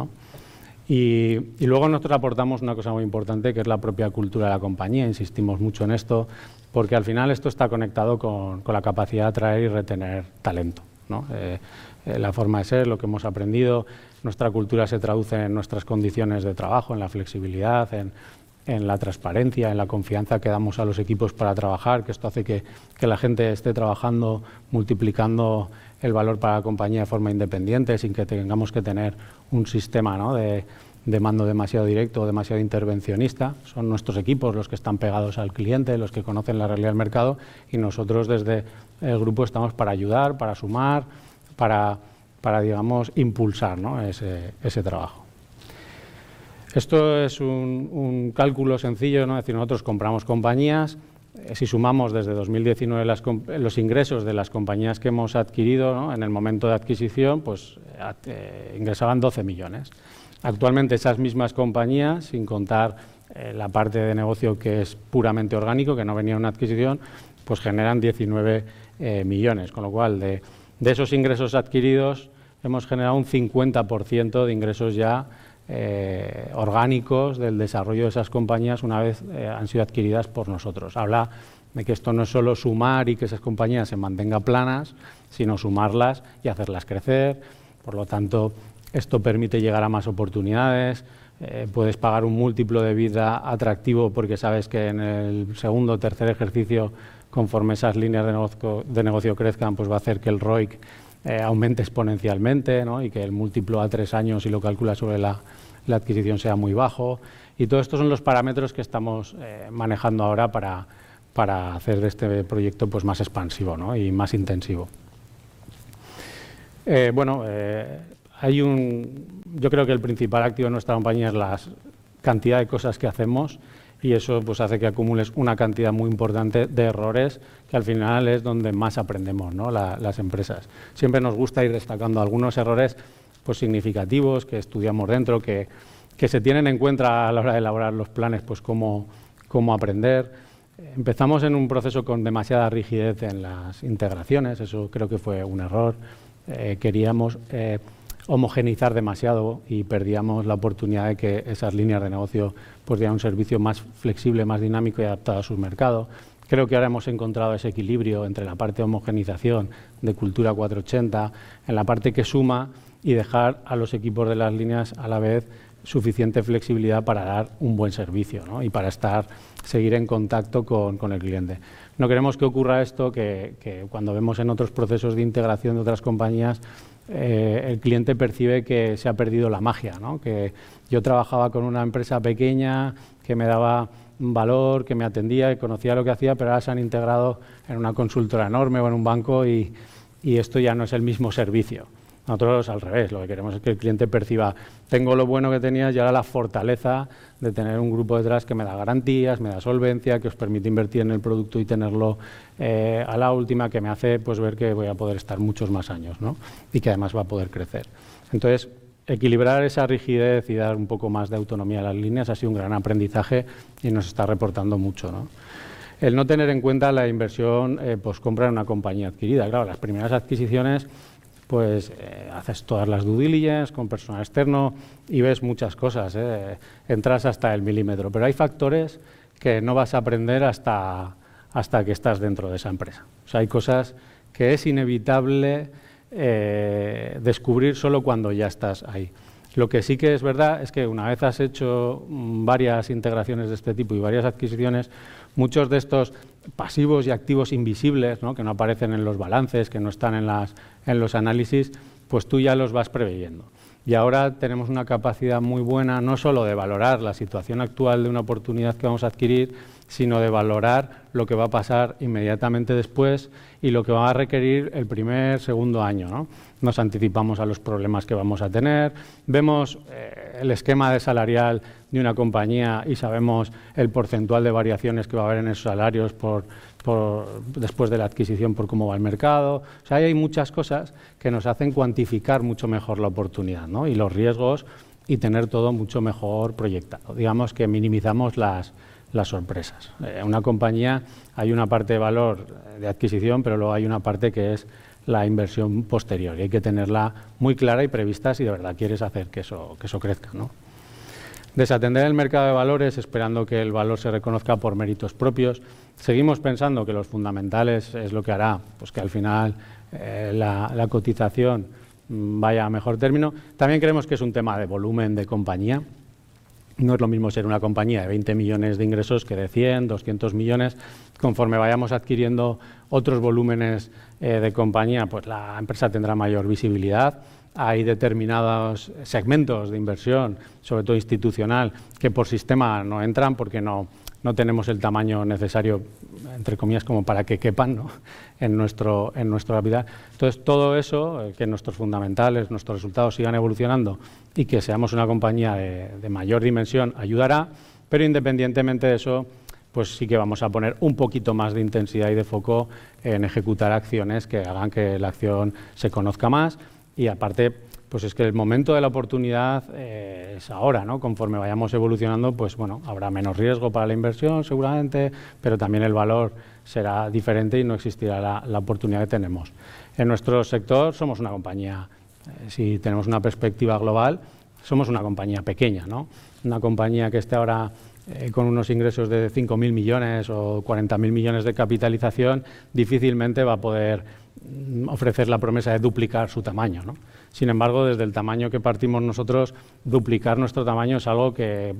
Y luego nosotros aportamos una cosa muy importante, que es la propia cultura de la compañía. Insistimos mucho en esto, porque al final esto está conectado con la capacidad de atraer y retener talento, la forma de ser, lo que hemos aprendido. Nuestra cultura se traduce en nuestras condiciones de trabajo, en la flexibilidad, en la transparencia, en la confianza que damos a los equipos para trabajar, que esto hace que la gente esté trabajando multiplicando el valor para la compañía de forma independiente, sin que tengamos que tener un sistema de mando demasiado directo o demasiado intervencionista. Son nuestros equipos los que están pegados al cliente, los que conocen la realidad del mercado, y nosotros desde el grupo estamos para ayudar, para sumar, para impulsar ese trabajo. Esto es un cálculo sencillo, es decir, nosotros compramos compañías. Si sumamos desde 2019 los ingresos de las compañías que hemos adquirido en el momento de adquisición, ingresaban €12 millones. Actualmente, esas mismas compañías, sin contar la parte de negocio que es puramente orgánico, que no venía de una adquisición, generan €19 millones, con lo cual de esos ingresos adquiridos hemos generado un 50% de ingresos ya orgánicos del desarrollo de esas compañías una vez han sido adquiridas por nosotros. Habla de que esto no es solo sumar y que esas compañías se mantengan planas, sino sumarlas y hacerlas crecer. Por lo tanto, esto permite llegar a más oportunidades. Puedes pagar un múltiplo de vida atractivo porque sabes que en el segundo o tercer ejercicio, conforme esas líneas de negocio crezcan, va a hacer que el ROIC aumente exponencialmente y que el múltiplo a tres años, si lo calculas sobre la adquisición, sea muy bajo. Y todos estos son los parámetros que estamos manejando ahora para hacer de este proyecto más expansivo y más intensivo. Yo creo que el principal activo de nuestra compañía es la cantidad de cosas que hacemos, y eso hace que acumules una cantidad muy importante de errores, que al final es donde más aprendemos las empresas. Siempre nos gusta ir destacando algunos errores significativos que estudiamos dentro, que se tienen en cuenta a la hora de elaborar los planes cómo aprender. Empezamos en un proceso con demasiada rigidez en las integraciones, eso creo que fue un error. Queríamos homogeneizar demasiado y perdíamos la oportunidad de que esas líneas de negocio dieran un servicio más flexible, más dinámico y adaptado a sus mercados. Creo que ahora hemos encontrado ese equilibrio entre la parte de homogeneización de cultura, en la parte que suma, y dejar a los equipos de las líneas a la vez suficiente flexibilidad para dar un buen servicio y para seguir en contacto con el cliente. No queremos que ocurra esto, que cuando vemos en otros procesos de integración de otras compañías el cliente percibe que se ha perdido la magia. Yo trabajaba con una empresa pequeña que me daba valor, que me atendía, que conocía lo que hacía, pero ahora se han integrado en una consultora enorme o en un banco, y esto ya no es el mismo servicio. Nosotros, al revés, lo que queremos es que el cliente perciba: "Tengo lo bueno que tenías y ahora la fortaleza de tener un grupo detrás que me da garantías, me da solvencia, que os permite invertir en el producto y tenerlo a la última, que me hace ver que voy a poder estar muchos más años y que, además, va a poder crecer". Entonces, equilibrar esa rigidez y dar un poco más de autonomía a las líneas ha sido un gran aprendizaje y nos está reportando mucho. El no tener en cuenta la inversión, compra en una compañía adquirida. Claro, las primeras adquisiciones haces todas las due diligence con personal externo y ves muchas cosas, entras hasta el milímetro, pero hay factores que no vas a aprender hasta que estás dentro de esa empresa. O sea, hay cosas que es inevitable descubrir solo cuando ya estás ahí. Lo que sí que es verdad es que una vez has hecho varias integraciones de este tipo y varias adquisiciones, muchos de estos pasivos y activos invisibles que no aparecen en los balances, que no están en los análisis, tú ya los vas previendo. Y ahora tenemos una capacidad muy buena, no solo de valorar la situación actual de una oportunidad que vamos a adquirir, sino de valorar lo que va a pasar inmediatamente después y lo que va a requerir el primer, segundo año. Nos anticipamos a los problemas que vamos a tener, vemos el esquema salarial de una compañía y sabemos el porcentaje de variaciones que va a haber en esos salarios después de la adquisición, por cómo va el mercado. O sea, ahí hay muchas cosas que nos hacen cuantificar mucho mejor la oportunidad y los riesgos, y tener todo mucho mejor proyectado. Digamos que minimizamos las sorpresas. En una compañía hay una parte de valor de adquisición, pero luego hay una parte que es la inversión posterior, y hay que tenerla muy clara y prevista si de verdad quieres hacer que eso crezca. Desatender el mercado de valores esperando que el valor se reconozca por méritos propios. Seguimos pensando que los fundamentales es lo que hará que al final la cotización vaya a mejor término. También creemos que es un tema de volumen de compañía. No es lo mismo ser una compañía de €20 millones de ingresos que de €100, €200 millones. Conforme vayamos adquiriendo otros volúmenes de compañía, la empresa tendrá mayor visibilidad. Hay determinados segmentos de inversión, sobre todo institucional, que por sistema no entran porque no tenemos el tamaño necesario, entre comillas, como para que quepan en nuestra vida. Entonces, todo eso, que nuestros fundamentales, nuestros resultados sigan evolucionando y que seamos una compañía de mayor dimensión, ayudará. Pero independientemente de eso, sí que vamos a poner un poquito más de intensidad y de foco en ejecutar acciones que hagan que la acción se conozca más. Y aparte, es que el momento de la oportunidad es ahora. Conforme vayamos evolucionando, habrá menos riesgo para la inversión, seguramente, pero también el valor será diferente y no existirá la oportunidad que tenemos. En nuestro sector somos una compañía, si tenemos una perspectiva global, somos una compañía pequeña. Una compañía que esté ahora con unos ingresos de €5.000 millones o €40.000 millones de capitalización, difícilmente va a poder ofrecer la promesa de duplicar su tamaño. Sin embargo, desde el tamaño que partimos nosotros, duplicar nuestro tamaño es algo que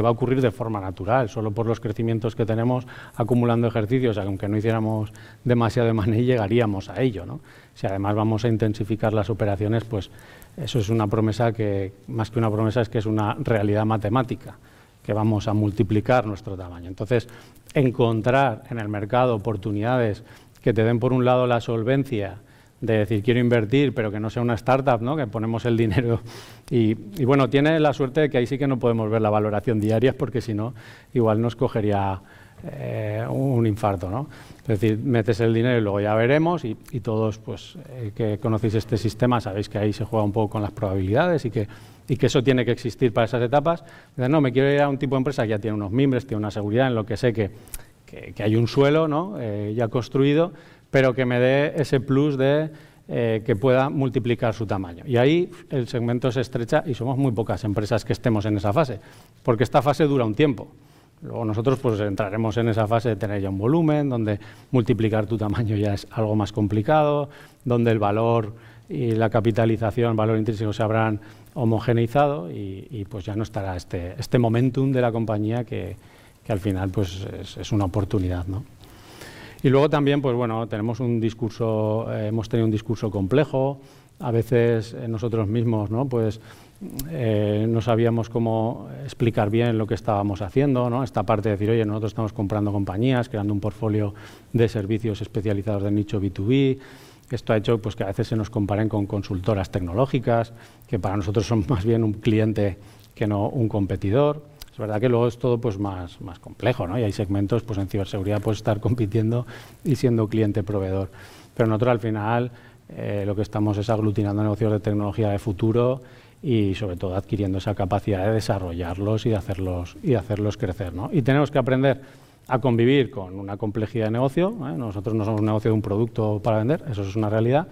va a ocurrir de forma natural, solo por los crecimientos que tenemos acumulando ejercicios. Aunque no hiciéramos demasiado de manejo, llegaríamos a ello. Si además vamos a intensificar las operaciones, eso es una promesa que, más que una promesa, es que es una realidad matemática, que vamos a multiplicar nuestro tamaño. Entonces, encontrar en el mercado oportunidades que te den, por un lado, la solvencia de decir: "Quiero invertir", pero que no sea una startup, que ponemos el dinero. Y tiene la suerte de que ahí sí que no podemos ver la valoración diaria, porque si no, igual nos cogería un infarto. Es decir, metes el dinero y luego ya veremos. Y todos los que conocéis este sistema sabéis que ahí se juega un poco con las probabilidades y que eso tiene que existir para esas etapas. Decir: "No, me quiero ir a un tipo de empresa que ya tiene unos mimbres, tiene una seguridad en lo que sé que hay un suelo ya construido, pero que me dé ese plus de que pueda multiplicar su tamaño". Y ahí el segmento se estrecha y somos muy pocas empresas que estemos en esa fase, porque esta fase dura un tiempo. Luego nosotros entraremos en esa fase de tener ya un volumen, donde multiplicar tu tamaño ya es algo más complicado, donde el valor y la capitalización, valor intrínseco, se habrán homogeneizado y ya no estará este momentum de la compañía, que al final es una oportunidad. Y luego también tenemos un discurso, hemos tenido un discurso complejo. A veces nosotros mismos no sabíamos cómo explicar bien lo que estábamos haciendo. Esta parte de decir: "Oye, nosotros estamos comprando compañías, creando un portfolio de servicios especializados de nicho B2B". Esto ha hecho que a veces se nos comparen con consultoras tecnológicas, que para nosotros son más bien un cliente que no un competidor. Es verdad que luego es todo más complejo, y hay segmentos en ciberseguridad, estar compitiendo y siendo cliente-proveedor. Pero nosotros, al final, lo que estamos es aglutinando negocios de tecnología de futuro y, sobre todo, adquiriendo esa capacidad de desarrollarlos y de hacerlos crecer. Y tenemos que aprender a convivir con una complejidad de negocio. Nosotros no somos negocio de un producto para vender, eso es una realidad,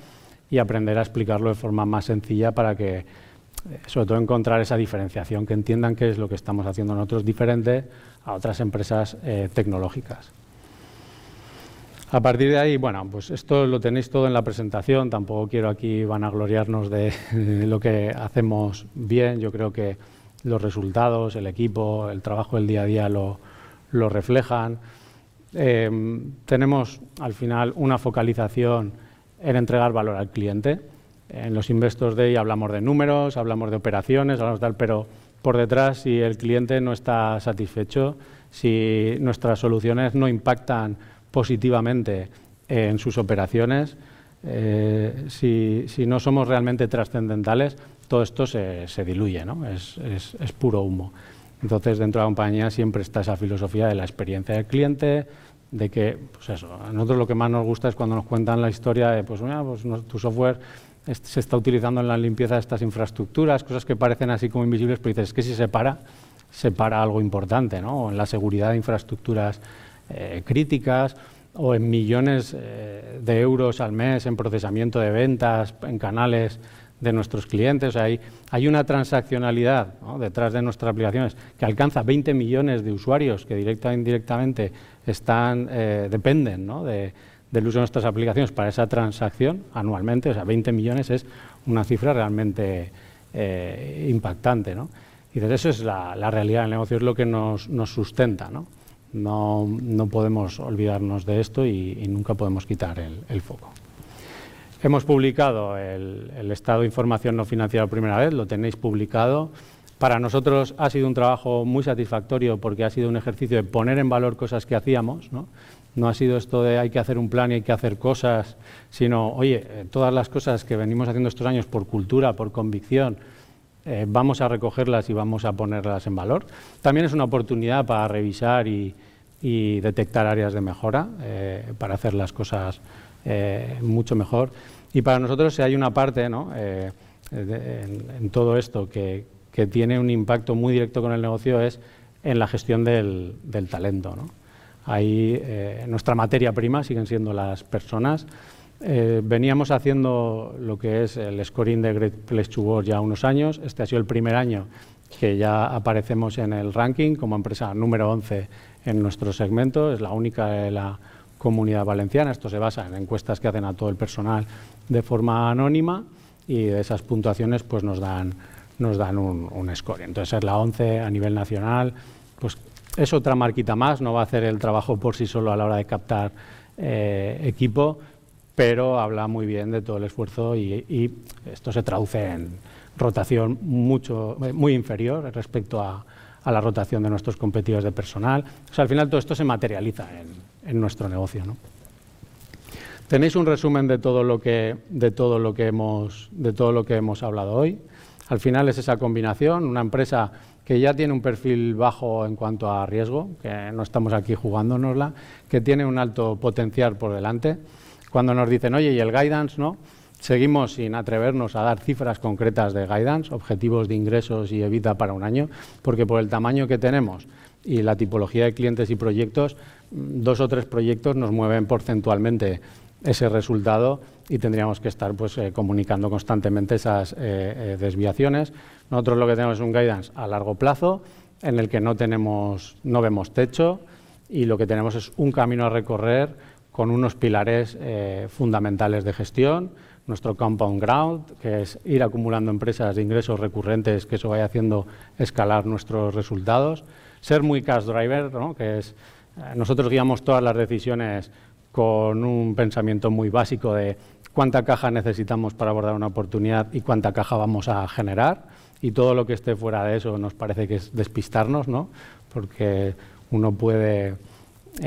y aprender a explicarlo de forma más sencilla para que, sobre todo, encontrar esa diferenciación, que entiendan qué es lo que estamos haciendo nosotros diferente a otras empresas tecnológicas. A partir de ahí, esto lo tenéis todo en la presentación. Tampoco quiero aquí vanagloriarnos de lo que hacemos bien. Yo creo que los resultados, el equipo, el trabajo, el día a día lo reflejan. Tenemos, al final, una focalización en entregar valor al cliente. En los investors day hablamos de números, hablamos de operaciones, hablamos de tal, pero por detrás, si el cliente no está satisfecho, si nuestras soluciones no impactan positivamente en sus operaciones, si no somos realmente trascendentales, todo esto se diluye, es puro humo. Entonces, dentro de la compañía siempre está esa filosofía de la experiencia del cliente, de que a nosotros lo que más nos gusta es cuando nos cuentan la historia de: "Mira, tu software se está utilizando en la limpieza de estas infraestructuras", cosas que parecen invisibles, pero dices: "Es que si se para, se para algo importante", o en la seguridad de infraestructuras críticas, o en millones de euros al mes en procesamiento de ventas, en canales de nuestros clientes. Hay una transaccionalidad detrás de nuestras aplicaciones que alcanza 20 millones de usuarios que, directa o indirectamente, dependen del uso de nuestras aplicaciones para esa transacción anualmente. 20 millones es una cifra realmente impactante. Eso es la realidad del negocio, es lo que nos sustenta. No podemos olvidarnos de esto y nunca podemos quitar el foco. Hemos publicado el estado de información no financiera por primera vez, lo tenéis publicado. Para nosotros ha sido un trabajo muy satisfactorio porque ha sido un ejercicio de poner en valor cosas que hacíamos. No ha sido esto de: "Hay que hacer un plan y hay que hacer cosas", sino: "Oye, todas las cosas que venimos haciendo estos años por cultura, por convicción, vamos a recogerlas y vamos a ponerlas en valor". También es una oportunidad para revisar y detectar áreas de mejora, para hacer las cosas mucho mejor. Para nosotros hay una parte en todo esto que tiene un impacto muy directo con el negocio, es en la gestión del talento. Ahí nuestra materia prima siguen siendo las personas. Veníamos haciendo lo que es el scoring de Great Place to Work ya unos años. Este ha sido el primer año que ya aparecemos en el ranking como empresa número 11 en nuestro segmento, es la única de la Comunidad Valenciana. Esto se basa en encuestas que hacen a todo el personal de forma anónima, y de esas puntuaciones nos dan un scoring. Entonces, es la 11 a nivel nacional. Es otra marquita más, no va a hacer el trabajo por sí solo a la hora de captar equipo, pero habla muy bien de todo el esfuerzo, y esto se traduce en rotación muy inferior respecto a la rotación de nuestros competidores de personal. Al final todo esto se materializa en nuestro negocio. Tenéis un resumen de todo lo que hemos hablado hoy. Al final es esa combinación, una empresa que ya tiene un perfil bajo en cuanto a riesgo, que no estamos aquí jugándonosla, que tiene un alto potencial por delante. Cuando nos dicen: "Oye, ¿y el guidance?", seguimos sin atrevernos a dar cifras concretas de guidance, objetivos de ingresos y EBITDA para un año, porque por el tamaño que tenemos y la tipología de clientes y proyectos, dos o tres proyectos nos mueven porcentualmente ese resultado, y tendríamos que estar comunicando constantemente esas desviaciones. Nosotros lo que tenemos es un guidance a largo plazo en el que no vemos techo, y lo que tenemos es un camino a recorrer con unos pilares fundamentales de gestión: nuestro compound growth, que es ir acumulando empresas de ingresos recurrentes, que eso vaya haciendo escalar nuestros resultados; ser muy cash driver, que es nosotros guiamos todas las decisiones con un pensamiento muy básico de cuánta caja necesitamos para abordar una oportunidad y cuánta caja vamos a generar. Y todo lo que esté fuera de eso nos parece que es despistarnos, porque uno puede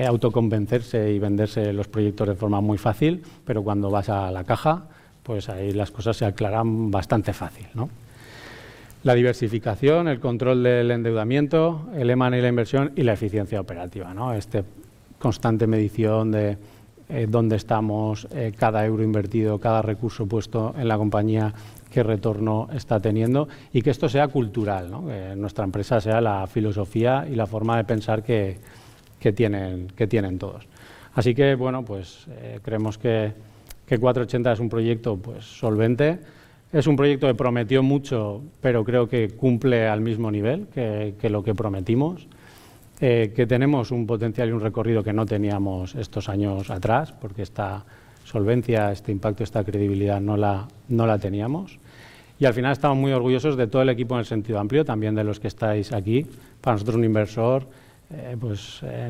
autoconvencerse y venderse los proyectos de forma muy fácil, pero cuando vas a la caja, ahí las cosas se aclaran bastante fácil. La diversificación, el control del endeudamiento, el M&A y la inversión, y la eficiencia operativa. Esta constante medición de dónde estamos, cada euro invertido, cada recurso puesto en la compañía, qué retorno está teniendo, y que esto sea cultural, que nuestra empresa sea la filosofía y la forma de pensar que tienen todos. Así que creemos que Cuatroochenta es un proyecto solvente. Es un proyecto que prometió mucho, pero creo que cumple al mismo nivel que lo que prometimos, que tenemos un potencial y un recorrido que no teníamos estos años atrás, porque esta solvencia, este impacto, esta credibilidad no la teníamos. Y al final estamos muy orgullosos de todo el equipo en el sentido amplio, también de los que estáis aquí. Para nosotros, un inversor,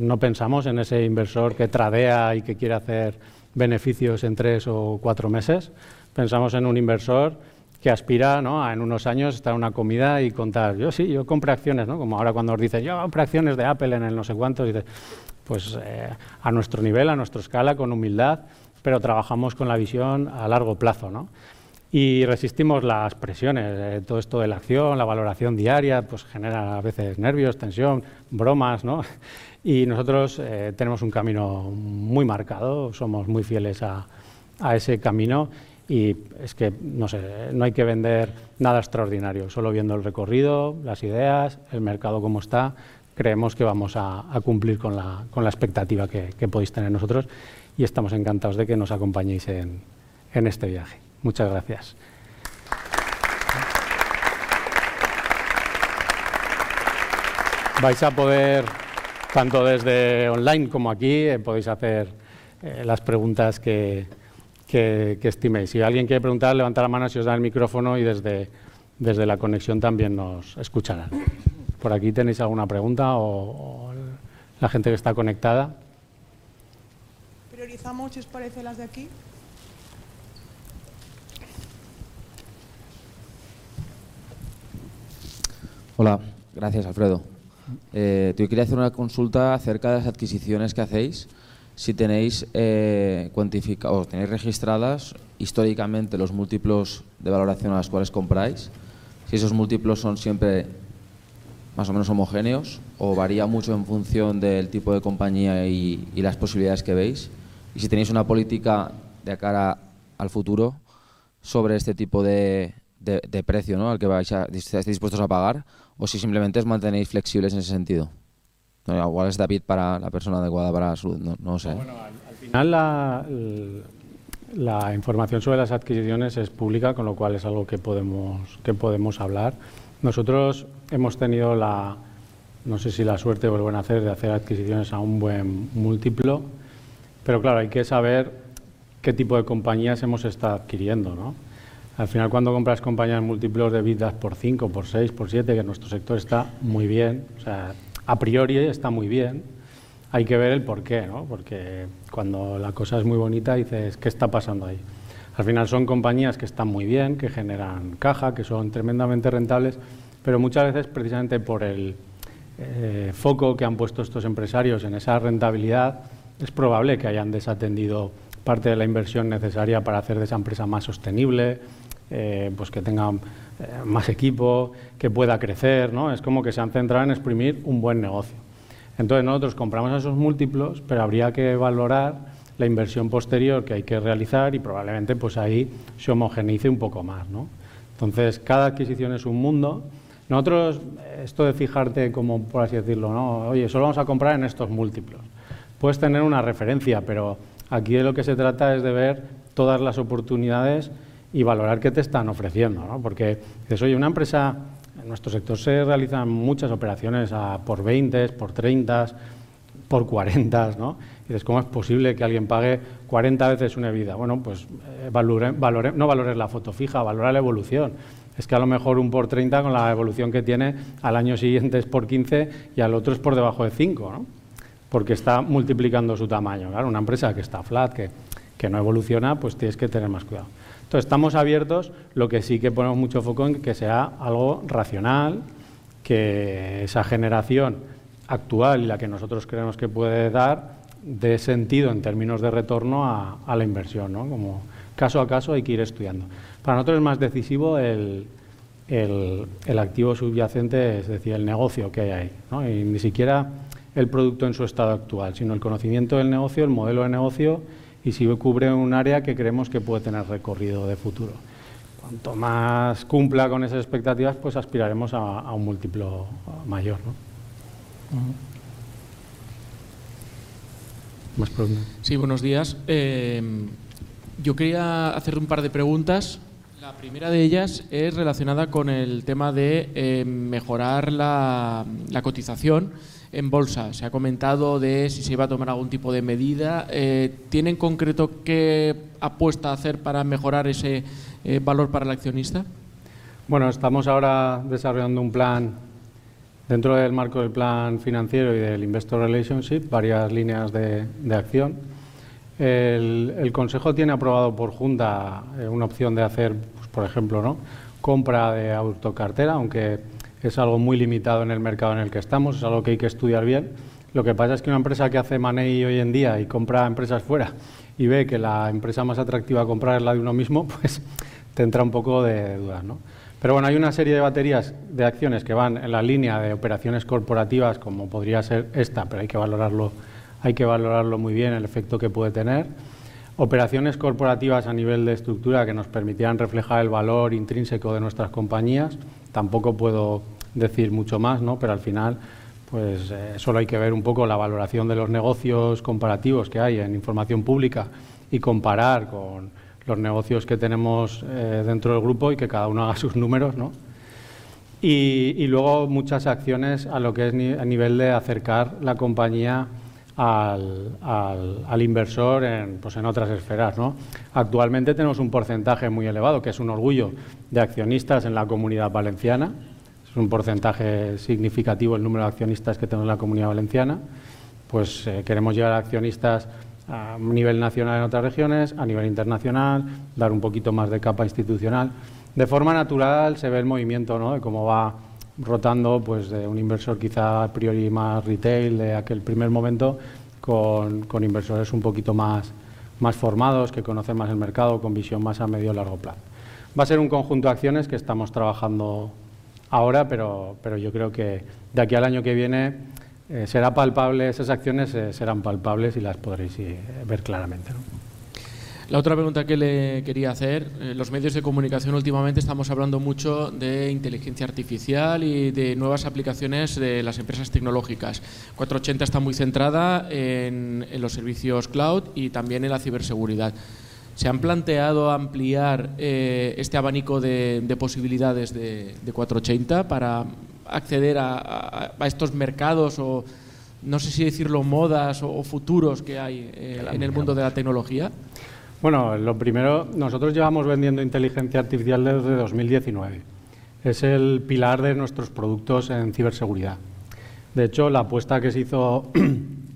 no pensamos en ese inversor que tradea y que quiere hacer beneficios en tres o cuatro meses. Pensamos en un inversor que aspira a, en unos años, estar en una comida y contar: "Yo sí, yo compré acciones", como ahora cuando os dicen: "Yo compré acciones de Apple en el no sé cuánto". A nuestro nivel, a nuestra escala, con humildad, pero trabajamos con la visión a largo plazo. Y resistimos las presiones. Todo esto de la acción, la valoración diaria, genera a veces nervios, tensión, bromas. Y nosotros tenemos un camino muy marcado, somos muy fieles a ese camino. Y es que no hay que vender nada extraordinario, solo viendo el recorrido, las ideas, el mercado cómo está. Creemos que vamos a cumplir con la expectativa que podéis tener nosotros, y estamos encantados de que nos acompañéis en este viaje. Muchas gracias. Vais a poder, tanto desde online como aquí, podéis hacer las preguntas que estiméis. Si alguien quiere preguntar, levantar la mano si os da el micrófono, y desde la conexión también nos escucharán. ¿Por aquí tenéis alguna pregunta o la gente que está conectada? Priorizamos, si os parece, las de aquí. Hola, gracias, Alfredo. Yo quería hacer una consulta acerca de las adquisiciones que hacéis, si tenéis registradas históricamente los múltiplos de valoración a los cuales compráis, si esos múltiplos son siempre más o menos homogéneos o varían mucho en función del tipo de compañía y las posibilidades que veis, y si tenéis una política de cara al futuro sobre este tipo de precio al que estáis dispuestos a pagar, o si simplemente os mantenéis flexibles en ese sentido. Igual es David la persona adecuada para responder, no lo sé. Bueno, al final la información sobre las adquisiciones es pública, con lo cual es algo que podemos hablar. Nosotros hemos tenido la, no sé si la suerte o el buen hacer de hacer adquisiciones a un buen múltiplo, pero claro, hay que saber qué tipo de compañías hemos estado adquiriendo. Al final, cuando compras compañías múltiplos de EBITDA por cinco, por seis, por siete, que en nuestro sector está muy bien, o sea, a priori está muy bien, hay que ver el porqué. Porque cuando la cosa es muy bonita dices: "¿Qué está pasando ahí?". Al final son compañías que están muy bien, que generan caja, que son tremendamente rentables, pero muchas veces, precisamente por el foco que han puesto estos empresarios en esa rentabilidad, es probable que hayan desatendido parte de la inversión necesaria para hacer de esa empresa más sostenible, que tenga más equipo, que pueda crecer. Es como que se han centrado en exprimir un buen negocio. Entonces, nosotros compramos esos múltiplos, pero habría que valorar la inversión posterior que hay que realizar, y probablemente ahí se homogenice un poco más. Entonces, cada adquisición es un mundo. Nosotros, esto de fijarte, como por así decirlo: "Oye, solo vamos a comprar en estos múltiplos". Puedes tener una referencia, pero aquí de lo que se trata es de ver todas las oportunidades y valorar qué te están ofreciendo. Porque dices: "Oye, una empresa, en nuestro sector se realizan muchas operaciones por 20, por 30, por 40". Dices: "¿Cómo es posible que alguien pague 40 veces una EBITDA?". Bueno, no valores la foto fija, valora la evolución. Es que a lo mejor un por 30, con la evolución que tiene, al año siguiente es por 15 y al otro es por debajo de cinco, porque está multiplicando su tamaño. Claro, una empresa que está flat, que no evoluciona, tienes que tener más cuidado. Entonces, estamos abiertos. Lo que sí que ponemos mucho foco en que sea algo racional, que esa generación actual y la que nosotros creemos que puede dar dé sentido en términos de retorno a la inversión. Como caso a caso hay que ir estudiando. Para nosotros es más decisivo el activo subyacente, es decir, el negocio que hay ahí. Y ni siquiera el producto en su estado actual, sino el conocimiento del negocio, el modelo de negocio, y si cubre un área que creemos que puede tener recorrido de futuro. Cuanto más cumpla con esas expectativas, aspiraremos a un múltiplo mayor. Más preguntas. Sí, buenos días. Yo quería hacer un par de preguntas. La primera de ellas es relacionada con el tema de mejorar la cotización en bolsa. Se ha comentado de si se iba a tomar algún tipo de medida. ¿Tienen concreto qué apuesta a hacer para mejorar ese valor para el accionista? Bueno, estamos ahora desarrollando un plan, dentro del marco del plan financiero y del investor relationship, varias líneas de acción. El consejo tiene aprobado por Junta una opción de hacer, por ejemplo, compra de autocartera, aunque es algo muy limitado en el mercado en el que estamos, es algo que hay que estudiar bien. Lo que pasa es que una empresa que hace M&A hoy en día y compra empresas fuera y ve que la empresa más atractiva a comprar es la de uno mismo, te entra un poco de duda. Pero hay una serie de baterías de acciones que van en la línea de operaciones corporativas, como podría ser esta, pero hay que valorarlo muy bien el efecto que puede tener. Operaciones corporativas a nivel de estructura que nos permitieran reflejar el valor intrínseco de nuestras compañías. Tampoco puedo decir mucho más, pero al final solo hay que ver un poco la valoración de los negocios comparativos que hay en información pública y comparar con los negocios que tenemos dentro del grupo y que cada uno haga sus números. Luego muchas acciones a lo que es a nivel de acercar la compañía al inversor en otras esferas. Actualmente tenemos un porcentaje muy elevado, que es un orgullo, de accionistas en la Comunidad Valenciana. Es un porcentaje significativo el número de accionistas que tenemos en la Comunidad Valenciana. Queremos llegar a accionistas a nivel nacional en otras regiones, a nivel internacional, dar un poquito más de capa institucional. De forma natural se ve el movimiento de cómo va rotando de un inversor quizá a priori más retail de aquel primer momento con inversores un poquito más formados, que conocen más el mercado, con visión más a medio-largo plazo. Va a ser un conjunto de acciones que estamos trabajando ahora, pero yo creo que de aquí al año que viene será palpable, esas acciones serán palpables y las podréis ver claramente. La otra pregunta que le quería hacer: los medios de comunicación últimamente estamos hablando mucho de inteligencia artificial y de nuevas aplicaciones de las empresas tecnológicas. Cuatroochenta está muy centrada en los servicios cloud y también en la ciberseguridad. ¿Se han planteado ampliar este abanico de posibilidades de Cuatroochenta para acceder a estos mercados o, no sé si decirlo, modas o futuros que hay en el mundo de la tecnología? Bueno, lo primero, nosotros llevamos vendiendo inteligencia artificial desde 2019. Es el pilar de nuestros productos en ciberseguridad. De hecho, la apuesta que se hizo en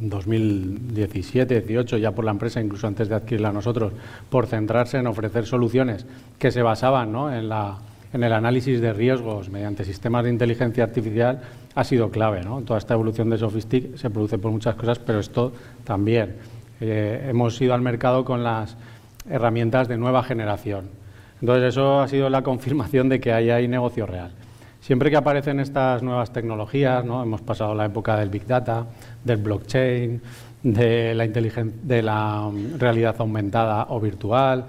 2017-18, ya por la empresa, incluso antes de adquirirla nosotros, por centrarse en ofrecer soluciones que se basaban en el análisis de riesgos mediante sistemas de inteligencia artificial, ha sido clave. Toda esta evolución de Sophistic se produce por muchas cosas, pero esto también. Hemos ido al mercado con las herramientas de nueva generación. Entonces, eso ha sido la confirmación de que ahí hay negocio real. Siempre que aparecen estas nuevas tecnologías, hemos pasado la época del Big Data, del Blockchain, de la realidad aumentada o virtual,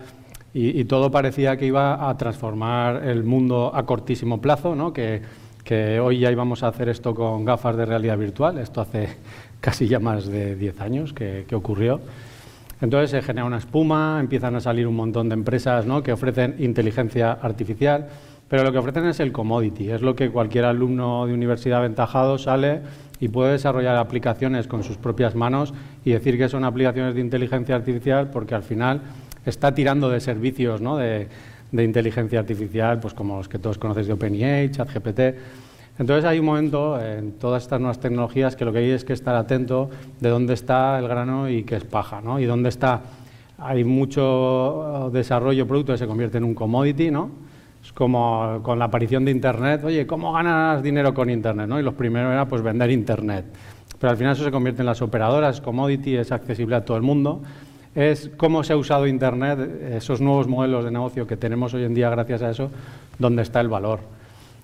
y todo parecía que iba a transformar el mundo a cortísimo plazo, que hoy ya íbamos a hacer esto con gafas de realidad virtual. Esto hace casi ya más de diez años que ocurrió. Entonces, se genera una espuma, empiezan a salir un montón de empresas que ofrecen inteligencia artificial, pero lo que ofrecen es el commodity, es lo que cualquier alumno de universidad aventajado sale y puede desarrollar aplicaciones con sus propias manos y decir que son aplicaciones de inteligencia artificial porque al final está tirando de servicios de inteligencia artificial como los que todos conocéis de OpenAI, ChatGPT. Entonces, hay un momento en todas estas nuevas tecnologías que lo que hay es que estar atento de dónde está el grano y qué es paja, y dónde está. Hay mucho desarrollo producto que se convierte en un commodity. Es como con la aparición de Internet: "Oye, ¿cómo ganas dinero con Internet?". Y lo primero era vender Internet, pero al final eso se convierte en las operadoras. Commodity es accesible a todo el mundo. Es cómo se ha usado Internet, esos nuevos modelos de negocio que tenemos hoy en día gracias a eso, dónde está el valor.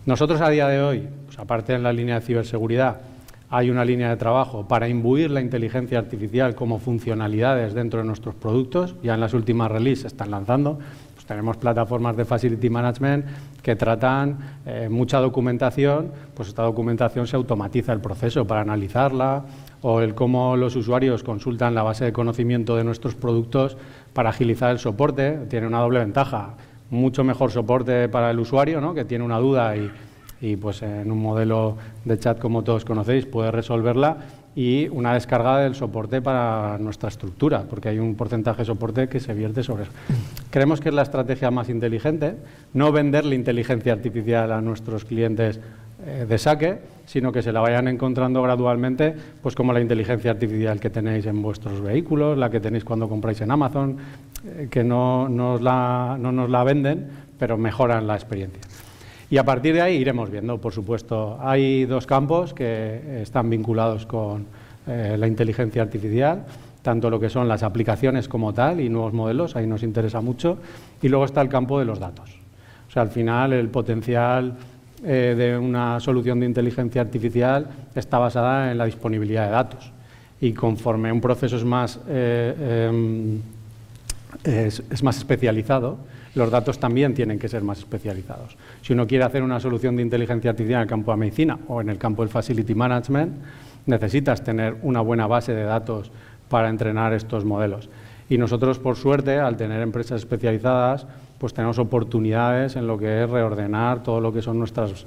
Nosotros, a día de hoy, aparte de la línea de ciberseguridad, hay una línea de trabajo para imbuir la inteligencia artificial como funcionalidades dentro de nuestros productos. Ya en las últimas release se están lanzando. Tenemos plataformas de facility management que tratan mucha documentación. Esta documentación se automatiza el proceso para analizarla, o el cómo los usuarios consultan la base de conocimiento de nuestros productos para agilizar el soporte. Tiene una doble ventaja: mucho mejor soporte para el usuario que tiene una duda y, en un modelo de chat como todos conocéis, puede resolverla, y una descarga del soporte para nuestra estructura, porque hay un porcentaje de soporte que se vierte sobre eso. Creemos que es la estrategia más inteligente: no vender la inteligencia artificial a nuestros clientes de saque, sino que se la vayan encontrando gradualmente como la inteligencia artificial que tenéis en vuestros vehículos, la que tenéis cuando compráis en Amazon, que no nos la venden, pero mejoran la experiencia. Y a partir de ahí iremos viendo, por supuesto. Hay dos campos que están vinculados con la inteligencia artificial, tanto lo que son las aplicaciones como tal y nuevos modelos, ahí nos interesa mucho. Y luego está el campo de los datos. Al final el potencial de una solución de inteligencia artificial está basada en la disponibilidad de datos, y conforme un proceso es más especializado, los datos también tienen que ser más especializados. Si uno quiere hacer una solución de inteligencia artificial en el campo de medicina o en el campo del facility management, necesita tener una buena base de datos para entrenar estos modelos. Y nosotros, por suerte, al tener empresas especializadas, tenemos oportunidades en lo que es reordenar todo lo que son nuestros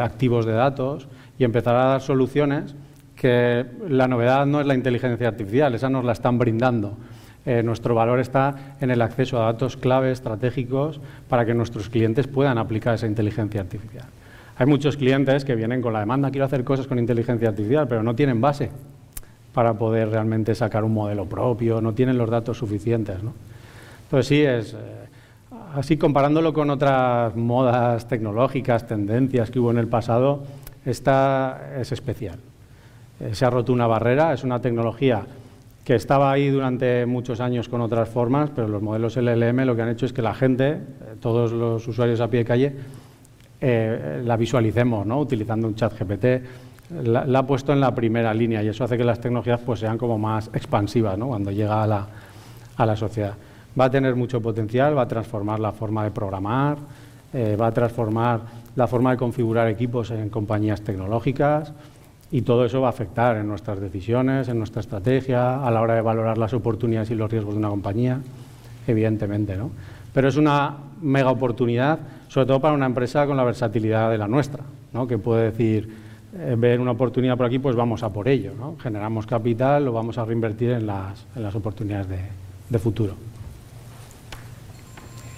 activos de datos y empezar a dar soluciones que la novedad no es la inteligencia artificial, esa nos la están brindando. Nuestro valor está en el acceso a datos clave estratégicos para que nuestros clientes puedan aplicar esa inteligencia artificial. Hay muchos clientes que vienen con la demanda: "Quiero hacer cosas con inteligencia artificial", pero no tienen base para poder realmente sacar un modelo propio, no tienen los datos suficientes. Entonces, sí, es así. Comparándolo con otras modas tecnológicas, tendencias que hubo en el pasado, esta es especial. Se ha roto una barrera, es una tecnología que estaba ahí durante muchos años con otras formas, pero los modelos LLM lo que han hecho es que la gente, todos los usuarios a pie de calle, la visualicemos utilizando un ChatGPT. La ha puesto en la primera línea y eso hace que las tecnologías sean como más expansivas cuando llega a la sociedad. Va a tener mucho potencial, va a transformar la forma de programar, va a transformar la forma de configurar equipos en compañías tecnológicas, y todo eso va a afectar en nuestras decisiones, en nuestra estrategia a la hora de valorar las oportunidades y los riesgos de una compañía, evidentemente. Pero es una mega oportunidad, sobre todo para una empresa con la versatilidad de la nuestra, que puede decir: "Ve una oportunidad por aquí, vamos a por ello." Generamos capital, lo vamos a reinvertir en las oportunidades de futuro.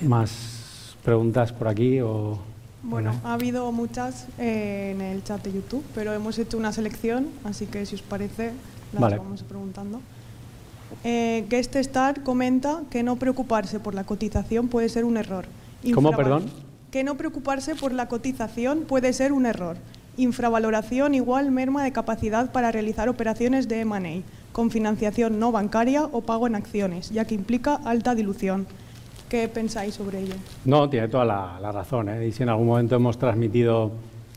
¿Hay más preguntas por aquí o? Bueno, ha habido muchas en el chat de YouTube, pero hemos hecho una selección, así que si os parece las vamos preguntando. Gestestar comenta que no preocuparse por la cotización puede ser un error. ¿Cómo, perdón? Que no preocuparse por la cotización puede ser un error. Infravaloración igual merma de capacidad para realizar operaciones de M&A con financiación no bancaria o pago en acciones, ya que implica alta dilución. ¿Qué pensáis sobre ello? No, tiene toda la razón. Y si en algún momento hemos transmitido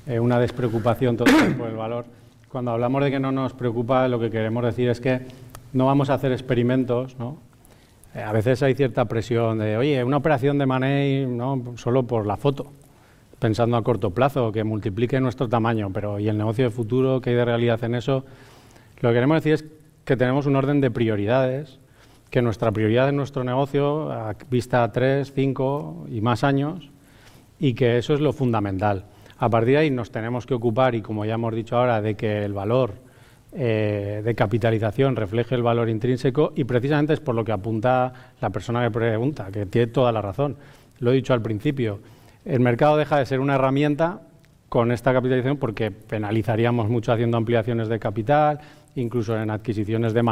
una despreocupación total por el valor, cuando hablamos de que no nos preocupa, lo que queremos decir es que no vamos a hacer experimentos. A veces hay cierta presión de: "Oye, una operación de M&A solo por la foto, pensando a corto plazo, que multiplique nuestro tamaño". Pero ¿y el negocio de futuro? ¿Qué hay de realidad en eso? Lo que queremos decir es que tenemos un orden de prioridades, que nuestra prioridad en nuestro negocio a vista tres, cinco y más años, y que eso es lo fundamental. A partir de ahí nos tenemos que ocupar, y como ya hemos dicho ahora, de que el valor de capitalización refleje el valor intrínseco. Y precisamente es por lo que apunta la persona que pregunta, que tiene toda la razón. Lo he dicho al principio: el mercado deja de ser una herramienta con esta capitalización porque penalizaríamos mucho haciendo ampliaciones de capital. Incluso en adquisiciones de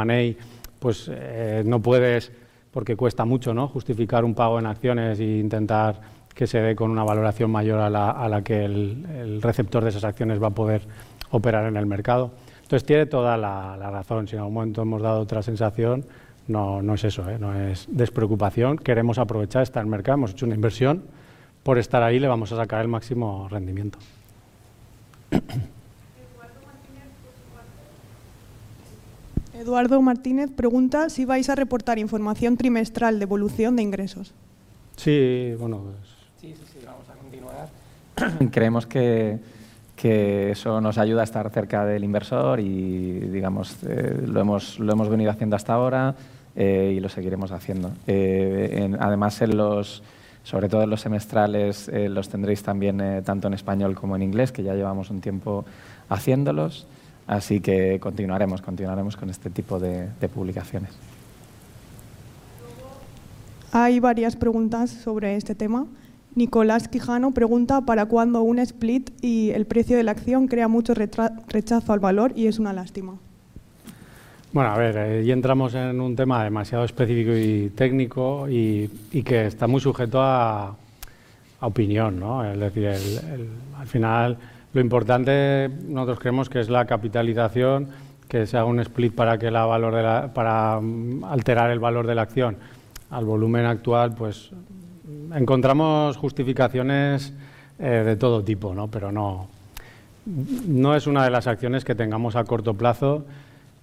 M&A no puedes, porque cuesta mucho, justificar un pago en acciones e intentar que se dé con una valoración mayor a la que el receptor de esas acciones va a poder operar en el mercado. Entonces, tiene toda la razón. Si en algún momento hemos dado otra sensación, no es eso, no es despreocupación. Queremos aprovechar este mercado, hemos hecho una inversión; por estar ahí le vamos a sacar el máximo rendimiento. Eduardo Martínez por su parte. Eduardo Martínez pregunta si vais a reportar información trimestral de evolución de ingresos. Sí. Sí, sí, sí, vamos a continuar. Creemos que eso nos ayuda a estar cerca del inversor y lo hemos venido haciendo hasta ahora y lo seguiremos haciendo. Además, sobre todo los semestrales, los tendréis también tanto en español como en inglés, que ya llevamos un tiempo haciéndolos. Así que continuaremos con este tipo de publicaciones. Hay varias preguntas sobre este tema. Nicolás Quijano pregunta para cuándo un split y el precio de la acción crea mucho rechazo al valor y es una lástima. Bueno, a ver, ya entramos en un tema demasiado específico y técnico y que está muy sujeto a opinión. Es decir, al final lo importante nosotros creemos que es la capitalización, que se haga un split para alterar el valor de la acción. Al volumen actual encontramos justificaciones de todo tipo, pero no es una de las acciones que tengamos a corto plazo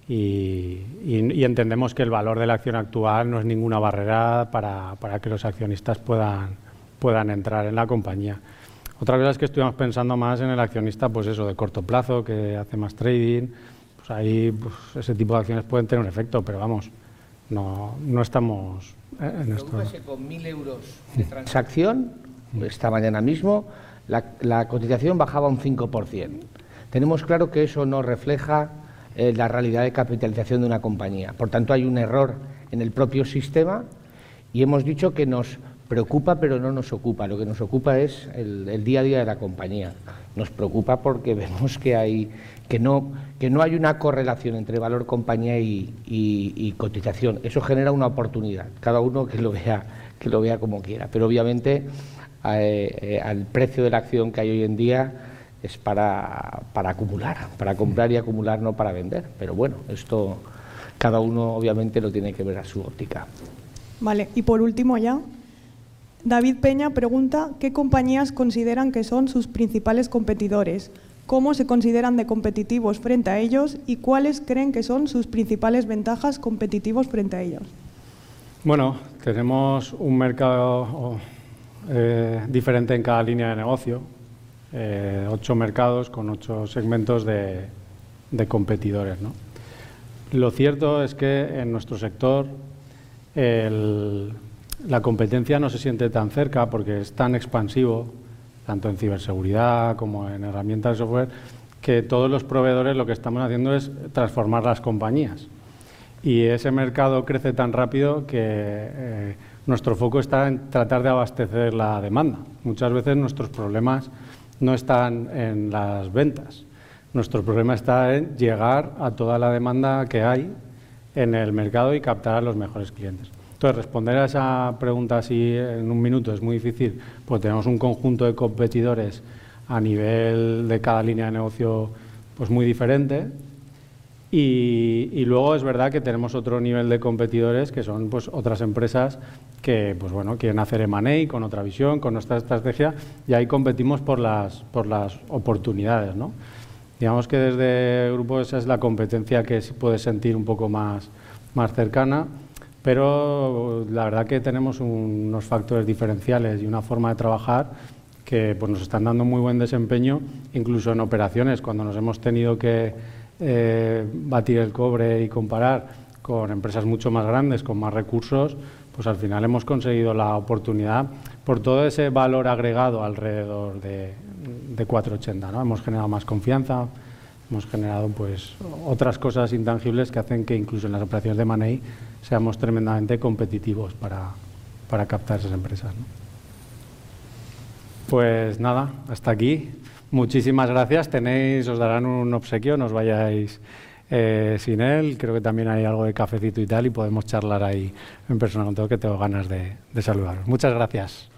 y entendemos que el valor de la acción actual no es ninguna barrera para que los accionistas puedan entrar en la compañía. Otra cosa es que estuvimos pensando más en el accionista de corto plazo, que hace más trading. Ahí ese tipo de acciones pueden tener un efecto, pero vamos, no estamos en esto. ¿Qué pasa con €1.000 de transacción? Esta mañana mismo la cotización bajaba un 5%. Tenemos claro que eso no refleja la realidad de capitalización de una compañía. Por tanto, hay un error en el propio sistema y hemos dicho que nos preocupa, pero no nos ocupa. Lo que nos ocupa es el día a día de la compañía. Nos preocupa porque vemos que no hay una correlación entre valor, compañía y cotización. Eso genera una oportunidad, cada uno que lo vea como quiera. Pero, obviamente, al precio de la acción que hay hoy en día es para acumular, para comprar y acumular, no para vender. Pero bueno, esto cada uno, obviamente, lo tiene que ver a su óptica. Vale, y por último ya. David Peña pregunta qué compañías consideran que son sus principales competidores, cómo se consideran de competitivos frente a ellos y cuáles creen que son sus principales ventajas competitivas frente a ellos. Bueno, tenemos un mercado diferente en cada línea de negocio, ocho mercados con ocho segmentos de competidores. Lo cierto es que en nuestro sector la competencia no se siente tan cerca porque es tan expansivo, tanto en ciberseguridad como en herramientas de software, que todos los proveedores lo que estamos haciendo es transformar las compañías. Ese mercado crece tan rápido que nuestro foco está en tratar de abastecer la demanda. Muchas veces nuestros problemas no están en las ventas, nuestro problema está en llegar a toda la demanda que hay en el mercado y captar a los mejores clientes. Entonces, responder a esa pregunta así en un minuto es muy difícil, porque tenemos un conjunto de competidores a nivel de cada línea de negocio muy diferente. Y luego es verdad que tenemos otro nivel de competidores que son otras empresas que quieren hacer M&A con otra visión, con nuestra estrategia, y ahí competimos por las oportunidades. Digamos que desde Grupo ESA es la competencia que se puede sentir un poco más cercana, pero la verdad que tenemos unos factores diferenciales y una forma de trabajar que nos están dando muy buen desempeño, incluso en operaciones, cuando nos hemos tenido que batir el cobre y comparar con empresas mucho más grandes, con más recursos. Al final hemos conseguido la oportunidad por todo ese valor agregado alrededor de 480. Hemos generado más confianza, hemos generado otras cosas intangibles que hacen que incluso en las operaciones de M&A seamos tremendamente competitivos para captar esas empresas. Pues nada, hasta aquí. Muchísimas gracias. Tenéis, os darán un obsequio, no os vayáis sin él. Creo que también hay algo de cafecito y tal y podemos charlar ahí en persona. Con todo que tengo ganas de saludaros. Muchas gracias.